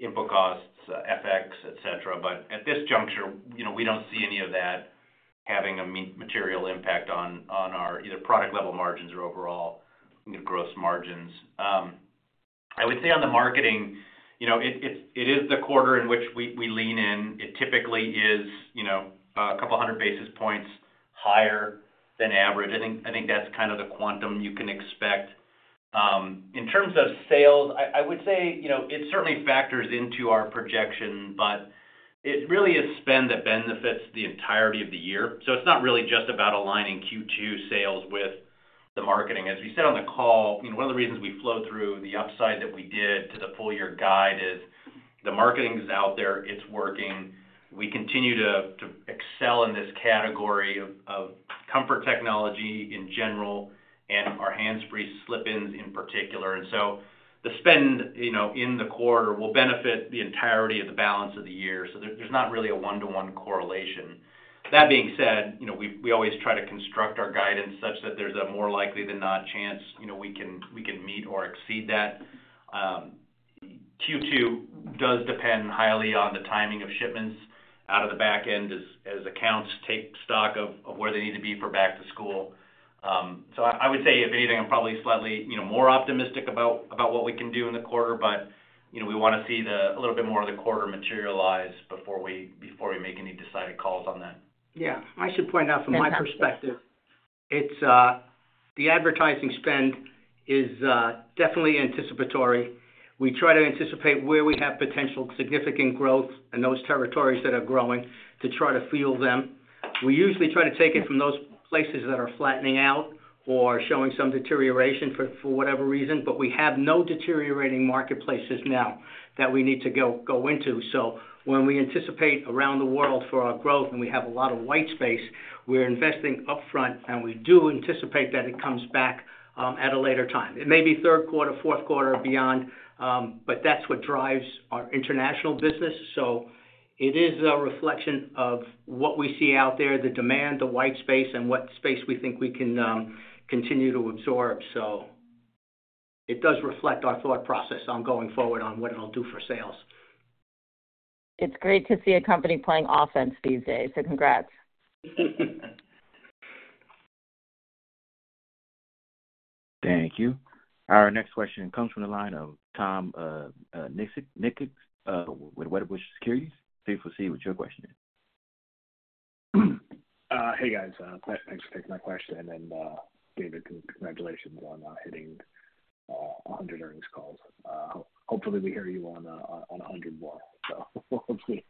input costs, FX, etc. But at this juncture, we don't see any of that having a material impact on our either product-level margins or overall gross margins. I would say on the marketing, it is the quarter in which we lean in. It typically is 200 basis points higher than average. I think that's kind of the quantum you can expect. In terms of sales, I would say it certainly factors into our projection, but it really is spend that benefits the entirety of the year. So it's not really just about aligning Q2 sales with the marketing. As we said on the call, one of the reasons we flowed through the upside that we did to the full-year guide is the marketing is out there. It's working. We continue to excel in this category of comfort technology in general and our hands-free slip-ins in particular. And so the spend in the quarter will benefit the entirety of the balance of the year. So there's not really a one-to-one correlation. That being said, we always try to construct our guidance such that there's a more likely than not chance we can meet or exceed that. Q2 does depend highly on the timing of shipments out of the back end as accounts take stock of where they need to be for back to school. I would say, if anything, I'm probably slightly more optimistic about what we can do in the quarter, but we want to see a little bit more of the quarter materialize before we make any decided calls on that. Yeah. I should point out from my perspective, the advertising spend is definitely anticipatory. We try to anticipate where we have potential significant growth in those territories that are growing to try to fuel them. We usually try to take it from those places that are flattening out or showing some deterioration for whatever reason, but we have no deteriorating marketplaces now that we need to go into. So when we anticipate around the world for our growth and we have a lot of white space, we're investing upfront, and we do anticipate that it comes back at a later time. It may be third quarter, fourth quarter beyond, but that's what drives our international business. So it is a reflection of what we see out there, the demand, the white space, and what space we think we can continue to absorb. It does reflect our thought process on going forward on what it'll do for sales. It's great to see a company playing offense these days. So congrats. Thank you. Our next question comes from the line of Tom Nikic with Wedbush Securities. Please proceed with your question. Hey, guys. Thanks for taking my question. David, congratulations on hitting 100 earnings calls. Hopefully, we hear you on 100 more, so hopefully.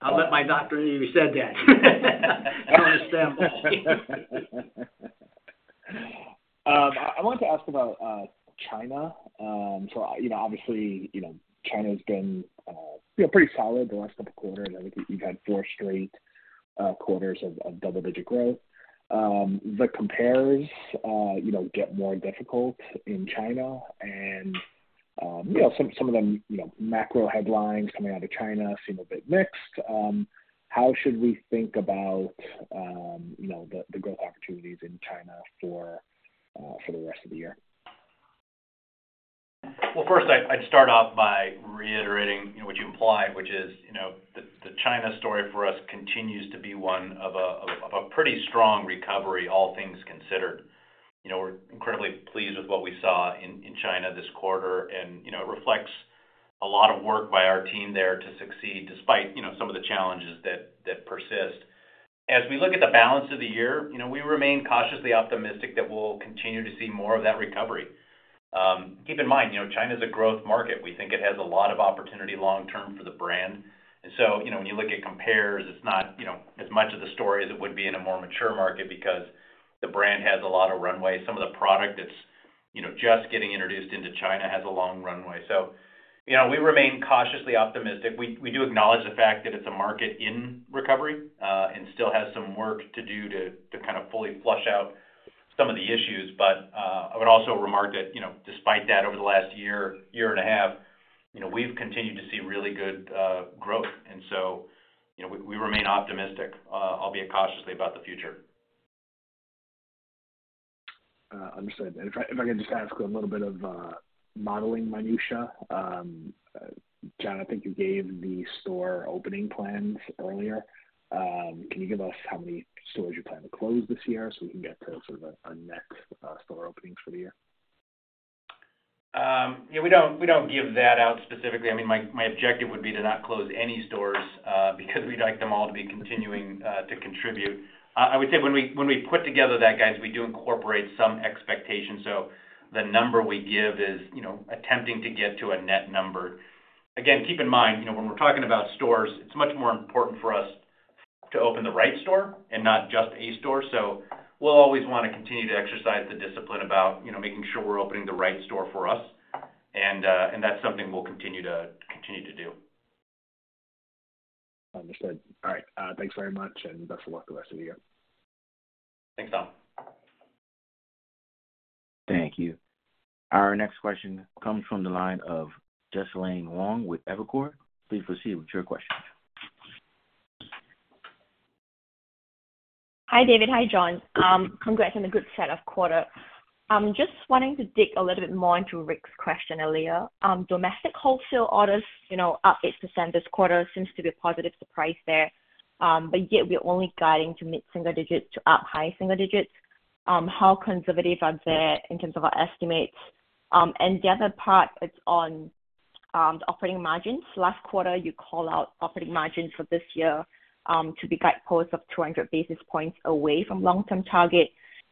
I'll let my doctor know you said that. I don't understand that. I wanted to ask about China. Obviously, China has been pretty solid the last couple of quarters. I think you've had four straight quarters of double-digit growth. The compares get more difficult in China, and some of the macro headlines coming out of China seem a bit mixed. How should we think about the growth opportunities in China for the rest of the year? Well, first, I'd start off by reiterating what you implied, which is the China story for us continues to be one of a pretty strong recovery, all things considered. We're incredibly pleased with what we saw in China this quarter, and it reflects a lot of work by our team there to succeed despite some of the challenges that persist. As we look at the balance of the year, we remain cautiously optimistic that we'll continue to see more of that recovery. Keep in mind, China is a growth market. We think it has a lot of opportunity long-term for the brand. And so when you look at compares, it's not as much of the story as it would be in a more mature market because the brand has a lot of runway. Some of the product that's just getting introduced into China has a long runway. We remain cautiously optimistic. We do acknowledge the fact that it's a market in recovery and still has some work to do to kind of fully flush out some of the issues. But I would also remark that despite that, over the last year, year and a half, we've continued to see really good growth. And so we remain optimistic, albeit cautiously, about the future. Understood. If I can just ask a little bit of modeling minutia, John, I think you gave the store opening plans earlier. Can you give us how many stores you plan to close this year so we can get to sort of our net store openings for the year? Yeah, we don't give that out specifically. I mean, my objective would be to not close any stores because we'd like them all to be continuing to contribute. I would say when we put together that, guys, we do incorporate some expectation. So the number we give is attempting to get to a net number. Again, keep in mind, when we're talking about stores, it's much more important for us to open the right store and not just a store. So we'll always want to continue to exercise the discipline about making sure we're opening the right store for us. And that's something we'll continue to do. Understood. All right. Thanks very much, and best of luck the rest of the year. Thanks, Tom. Thank you. Our next question comes from the line of Jesalyn Wong with Evercore. Please proceed with your question. Hi, David. Hi, John. Congrats on the good setup quarter. I'm just wanting to dig a little bit more into Rick's question earlier. Domestic wholesale orders up 8% this quarter seems to be a positive surprise there, but yet we're only guiding to mid-single digits to high-single digits. How conservative are they in terms of our estimates? And the other part, it's on the operating margins. Last quarter, you call out operating margins for this year to be guideposts of 200 basis points away from long-term target.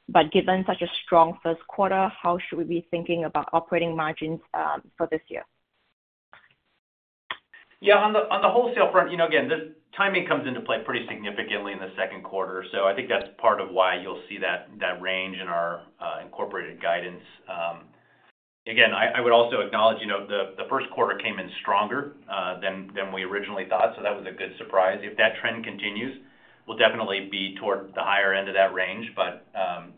But given such a strong first quarter, how should we be thinking about operating margins for this year? Yeah, on the wholesale front, again, the timing comes into play pretty significantly in the second quarter. So I think that's part of why you'll see that range in our incorporated guidance. Again, I would also acknowledge the first quarter came in stronger than we originally thought, so that was a good surprise. If that trend continues, we'll definitely be toward the higher end of that range. But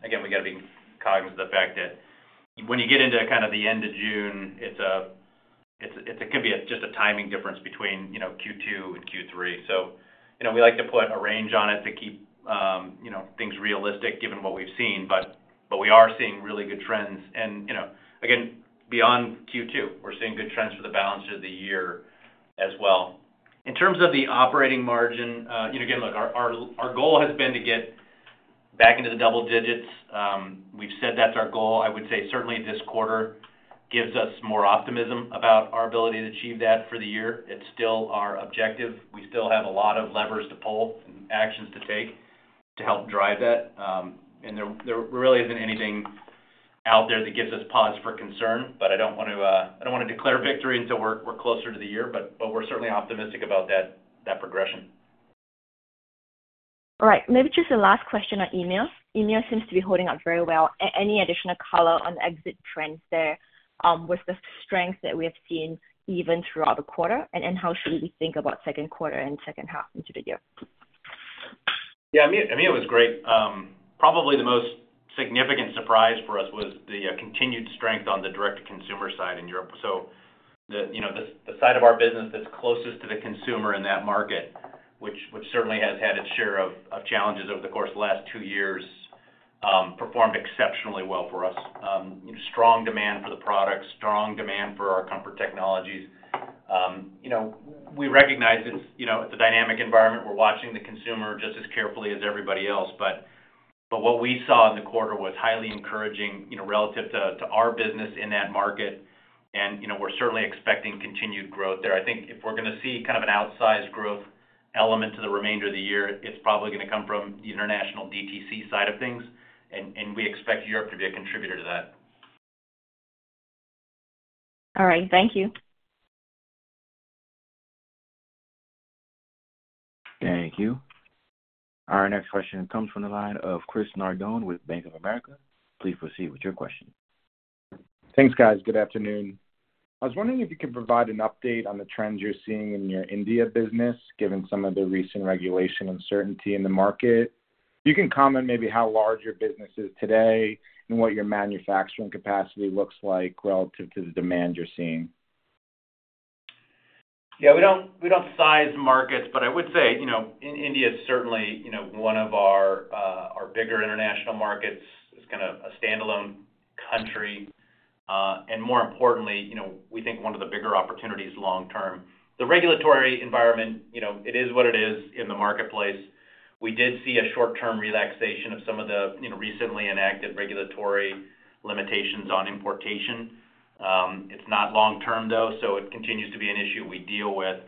again, we got to be cognizant of the fact that when you get into kind of the end of June, it can be just a timing difference between Q2 and Q3. So we like to put a range on it to keep things realistic given what we've seen, but we are seeing really good trends. And again, beyond Q2, we're seeing good trends for the balance of the year as well. In terms of the operating margin, again, look, our goal has been to get back into the double digits. We've said that's our goal. I would say certainly this quarter gives us more optimism about our ability to achieve that for the year. It's still our objective. We still have a lot of levers to pull and actions to take to help drive that. There really isn't anything out there that gives us pause for concern, but I don't want to I don't want to declare victory until we're closer to the year, but we're certainly optimistic about that progression. All right. Maybe just the last question on email. Email seems to be holding up very well. Any additional color on the exit trends there with the strength that we have seen even throughout the quarter, and how should we think about second quarter and second half into the year? Yeah, email was great. Probably the most significant surprise for us was the continued strength on the direct-to-consumer side in Europe. So the side of our business that's closest to the consumer in that market, which certainly has had its share of challenges over the course of the last two years, performed exceptionally well for us. Strong demand for the products, strong demand for our comfort technologies. We recognize it's a dynamic environment. We're watching the consumer just as carefully as everybody else. But what we saw in the quarter was highly encouraging relative to our business in that market, and we're certainly expecting continued growth there. I think if we're going to see kind of an outsized growth element to the remainder of the year, it's probably going to come from the international DTC side of things. And we expect Europe to be a contributor to that. All right. Thank you. Thank you. Our next question comes from the line of Chris Nardone with Bank of America. Please proceed with your question. Thanks, guys. Good afternoon. I was wondering if you could provide an update on the trends you're seeing in your India business given some of the recent regulatory uncertainty in the market. If you can comment maybe how large your business is today and what your manufacturing capacity looks like relative to the demand you're seeing. Yeah, we don't size markets, but I would say India is certainly one of our bigger international markets. It's kind of a standalone country. And more importantly, we think one of the bigger opportunities long-term. The regulatory environment, it is what it is in the marketplace. We did see a short-term relaxation of some of the recently enacted regulatory limitations on importation. It's not long-term, though, so it continues to be an issue we deal with.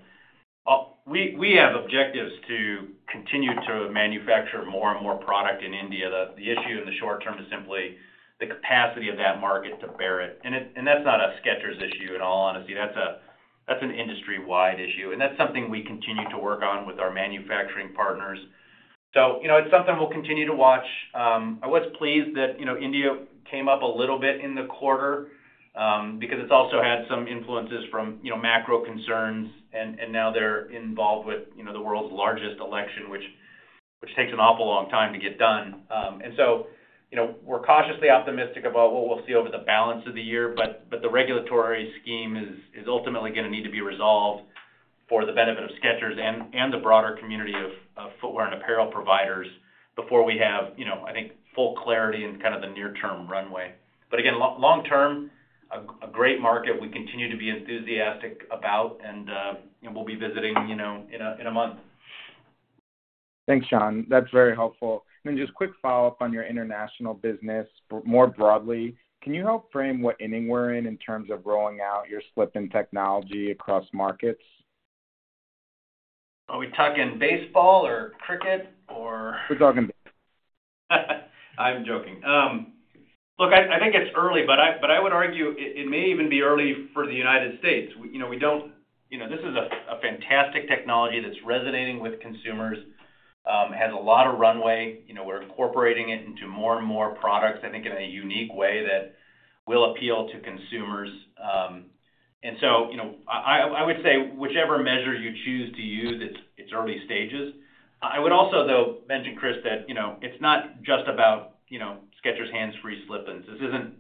We have objectives to continue to manufacture more and more product in India. The issue in the short term is simply the capacity of that market to bear it. And that's not a Skechers issue in all honesty. That's an industry-wide issue. And that's something we continue to work on with our manufacturing partners. So it's something we'll continue to watch. I was pleased that India came up a little bit in the quarter because it's also had some influences from macro concerns, and now they're involved with the world's largest election, which takes an awful long time to get done. And so we're cautiously optimistic about what we'll see over the balance of the year, but the regulatory scheme is ultimately going to need to be resolved for the benefit of Skechers and the broader community of footwear and apparel providers before we have, I think, full clarity in kind of the near-term runway. But again, long-term, a great market we continue to be enthusiastic about, and we'll be visiting in a month. Thanks, John. That's very helpful. And then just quick follow-up on your international business more broadly, can you help frame what inning we're in in terms of rolling out your slip-in technology across markets? Are we talking baseball or cricket, or? We're talking baseball. I'm joking. Look, I think it's early, but I would argue it may even be early for the United States. We know this is a fantastic technology that's resonating with consumers, has a lot of runway. We're incorporating it into more and more products, I think, in a unique way that will appeal to consumers. And so I would say whichever measure you choose to use, it's early stages. I would also, though, mention, Chris, that it's not just about Skechers Hands Free Slip-ins. This isn't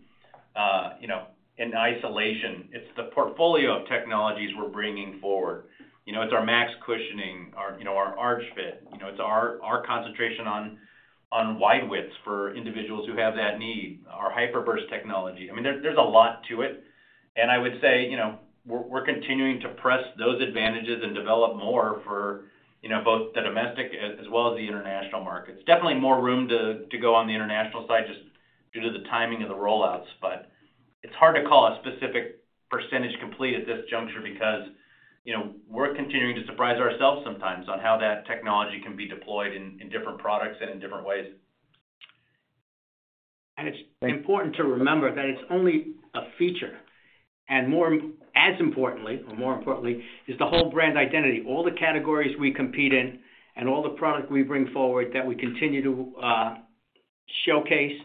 in isolation. It's the portfolio of technologies we're bringing forward. It's our Max Cushioning, our Arch Fit. It's our concentration on wide widths for individuals who have that need, our Hyper Burst technology. I mean, there's a lot to it. And I would say we're continuing to press those advantages and develop more for both the domestic as well as the international markets. Definitely more room to go on the international side just due to the timing of the rollouts, but it's hard to call a specific percentage complete at this juncture because we're continuing to surprise ourselves sometimes on how that technology can be deployed in different products and in different ways. It's important to remember that it's only a feature. As importantly or more importantly is the whole brand identity, all the categories we compete in, and all the product we bring forward that we continue to showcase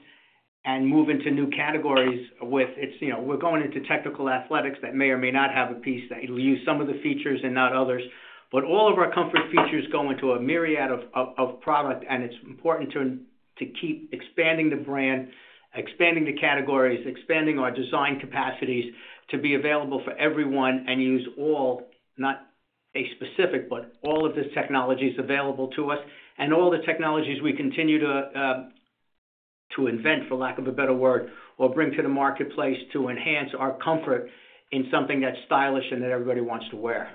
and move into new categories with. We're going into technical athletics that may or may not have a piece that will use some of the features and not others. But all of our comfort features go into a myriad of product, and it's important to keep expanding the brand, expanding the categories, expanding our design capacities to be available for everyone and use all, not a specific, but all of this technology is available to us and all the technologies we continue to invent, for lack of a better word, or bring to the marketplace to enhance our comfort in something that's stylish and that everybody wants to wear.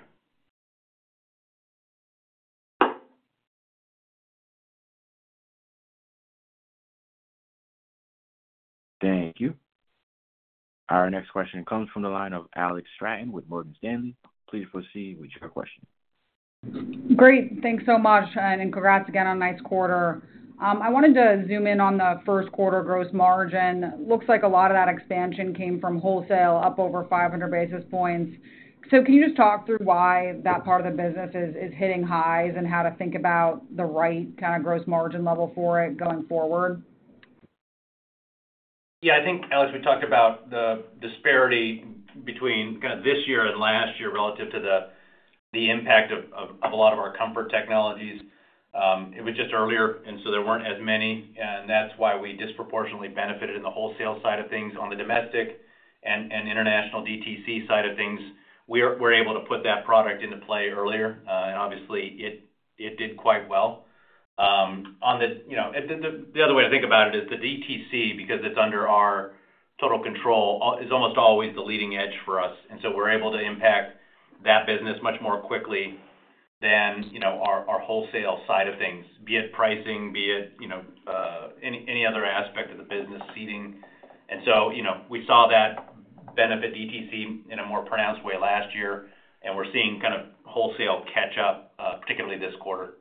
Thank you. Our next question comes from the line of Alex Straton with Morgan Stanley. Please proceed with your question. Great. Thanks so much, and congrats again on a nice quarter. I wanted to zoom in on the first quarter gross margin. Looks like a lot of that expansion came from wholesale up over 500 basis points. Can you just talk through why that part of the business is hitting highs and how to think about the right kind of gross margin level for it going forward? Yeah, I think, Alex, we talked about the disparity between kind of this year and last year relative to the impact of a lot of our comfort technologies. It was just earlier, and so there weren't as many. And that's why we disproportionately benefited in the wholesale side of things. On the domestic and international DTC side of things, we were able to put that product into play earlier, and obviously, it did quite well. The other way to think about it is the DTC, because it's under our total control, is almost always the leading edge for us. And so we're able to impact that business much more quickly than our wholesale side of things, be it pricing, be it any other aspect of the business seating. And so we saw that benefit DTC in a more pronounced way last year, and we're seeing kind of wholesale catch up, particularly this quarter.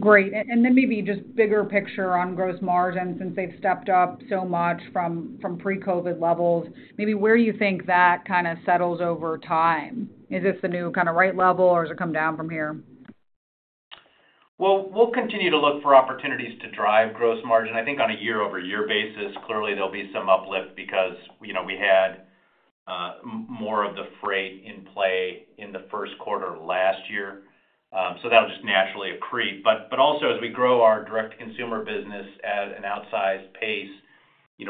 Great. And then maybe just bigger picture on gross margin, since they've stepped up so much from pre-COVID levels, maybe where do you think that kind of settles over time? Is this the new kind of right level, or has it come down from here? Well, we'll continue to look for opportunities to drive gross margin. I think on a year-over-year basis, clearly, there'll be some uplift because we had more of the freight in play in the first quarter last year. So that'll just naturally accrete. But also, as we grow our direct-to-consumer business at an outsized pace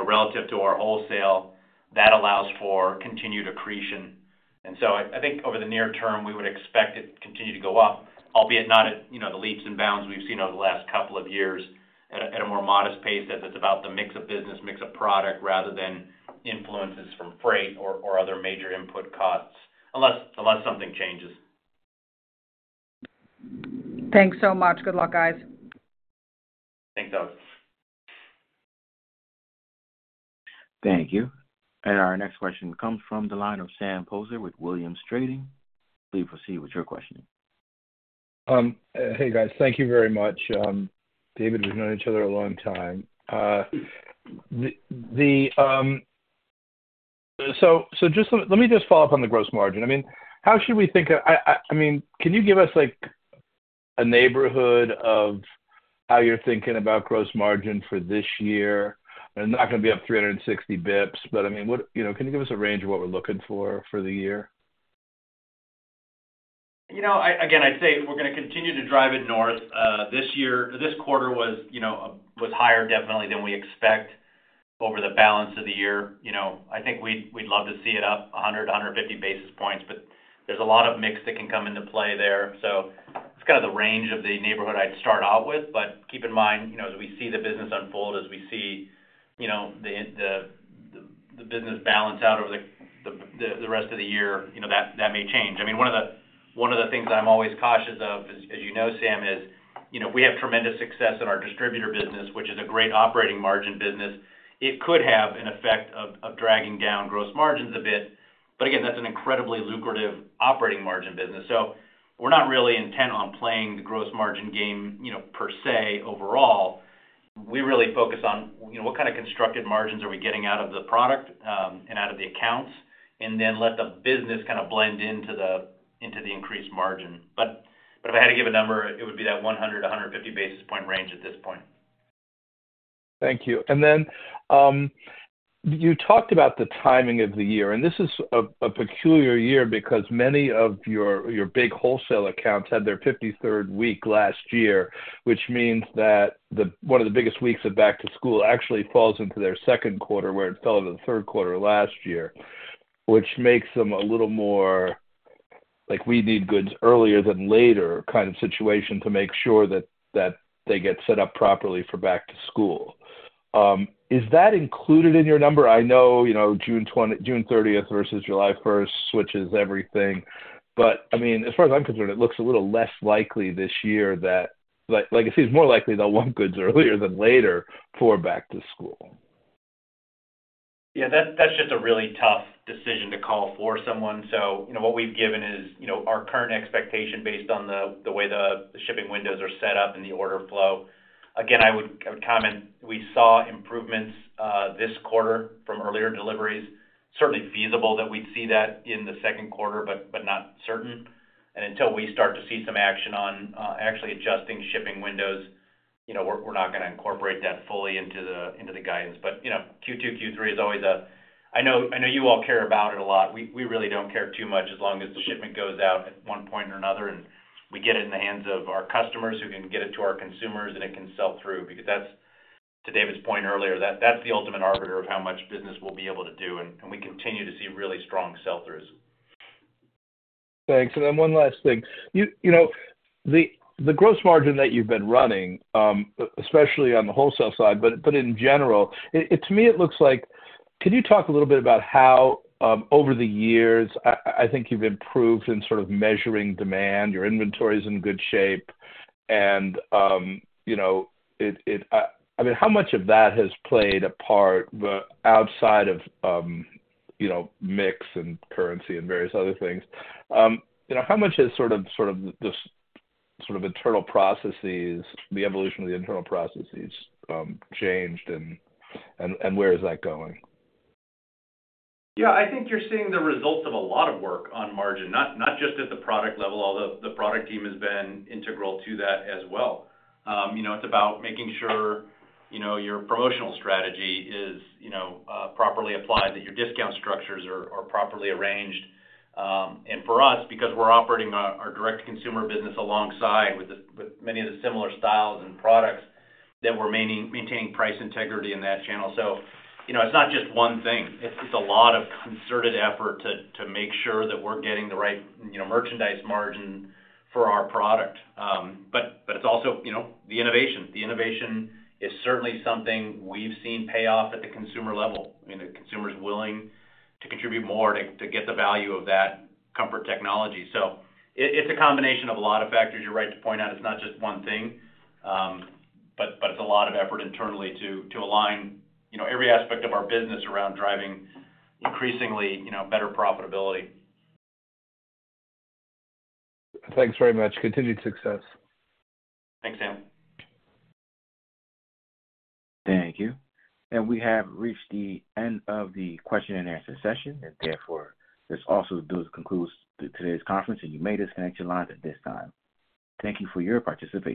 relative to our wholesale, that allows for continued accretion. And so I think over the near term, we would expect it to continue to go up, albeit not at the leaps and bounds we've seen over the last couple of years at a more modest pace as it's about the mix of business, mix of product, rather than influences from freight or other major input costs, unless something changes. Thanks so much. Good luck, guys. Thanks, Alex. Thank you. Our next question comes from the line of Sam Poser with Williams Trading. Please proceed with your question. Hey, guys. Thank you very much. David, we've known each other a long time. So let me just follow up on the Gross Margin. I mean, how should we think of I mean, can you give us a neighborhood of how you're thinking about Gross Margin for this year? And it's not going to be up 360 basis points, but I mean, can you give us a range of what we're looking for for the year? Again, I'd say we're going to continue to drive it north. This quarter was higher, definitely, than we expect over the balance of the year. I think we'd love to see it up 100-150 basis points, but there's a lot of mix that can come into play there. So it's kind of the range of the neighborhood I'd start out with. But keep in mind, as we see the business unfold, as we see the business balance out over the rest of the year, that may change. I mean, one of the things that I'm always cautious of, as you know, Sam, is if we have tremendous success in our distributor business, which is a great operating margin business, it could have an effect of dragging down gross margins a bit. But again, that's an incredibly lucrative operating margin business. So we're not really intent on playing the gross margin game per se overall. We really focus on what kind of constructed margins are we getting out of the product and out of the accounts? and then let the business kind of blend into the increased margin. But if I had to give a number, it would be that 100-150 basis point range at this point. Thank you. And then you talked about the timing of the year. And this is a peculiar year because many of your big wholesale accounts had their 53rd week last year, which means that one of the biggest weeks of back-to-school actually falls into their second quarter where it fell into the third quarter last year, which makes them a little more like we need goods earlier than later kind of situation to make sure that they get set up properly for back-to-school. Is that included in your number? I know June 30th versus July 1st switches everything. But I mean, as far as I'm concerned, it looks a little less likely this year that like I said, it's more likely they'll want goods earlier than later for back-to-school. Yeah, that's just a really tough decision to call for someone. So what we've given is our current expectation based on the way the shipping windows are set up and the order flow. Again, I would comment we saw improvements this quarter from earlier deliveries. Certainly feasible that we'd see that in the second quarter, but not certain. And until we start to see some action on actually adjusting shipping windows, we're not going to incorporate that fully into the guidance. But Q2, Q3 is always a. I know you all care about it a lot. We really don't care too much as long as the shipment goes out at one point or another and we get it in the hands of our customers who can get it to our consumers and it can sell through. Because to David's point earlier, that's the ultimate arbiter of how much business we'll be able to do. We continue to see really strong sell-throughs. Thanks. And then one last thing. The gross margin that you've been running, especially on the wholesale side, but in general, to me, it looks like. Can you talk a little bit about how over the years, I think you've improved in sort of measuring demand. Your inventory is in good shape. And I mean, how much of that has played a part outside of mix and currency and various other things? How much has sort of the sort of internal processes, the evolution of the internal processes, changed, and where is that going? Yeah, I think you're seeing the results of a lot of work on margin, not just at the product level, although the product team has been integral to that as well. It's about making sure your promotional strategy is properly applied, that your discount structures are properly arranged. For us, because we're operating our direct-to-consumer business alongside with many of the similar styles and products, that we're maintaining price integrity in that channel. It's not just one thing. It's a lot of concerted effort to make sure that we're getting the right merchandise margin for our product. It's also the innovation. The innovation is certainly something we've seen pay off at the consumer level. I mean, the consumer's willing to contribute more to get the value of that comfort technology. It's a combination of a lot of factors. You're right to point out it's not just one thing, but it's a lot of effort internally to align every aspect of our business around driving increasingly better profitability. Thanks very much. Continued success. Thanks, Sam. Thank you. We have reached the end of the question-and-answer session. Therefore, this also concludes today's conference, and you may disconnect your lines at this time. Thank you for your participation.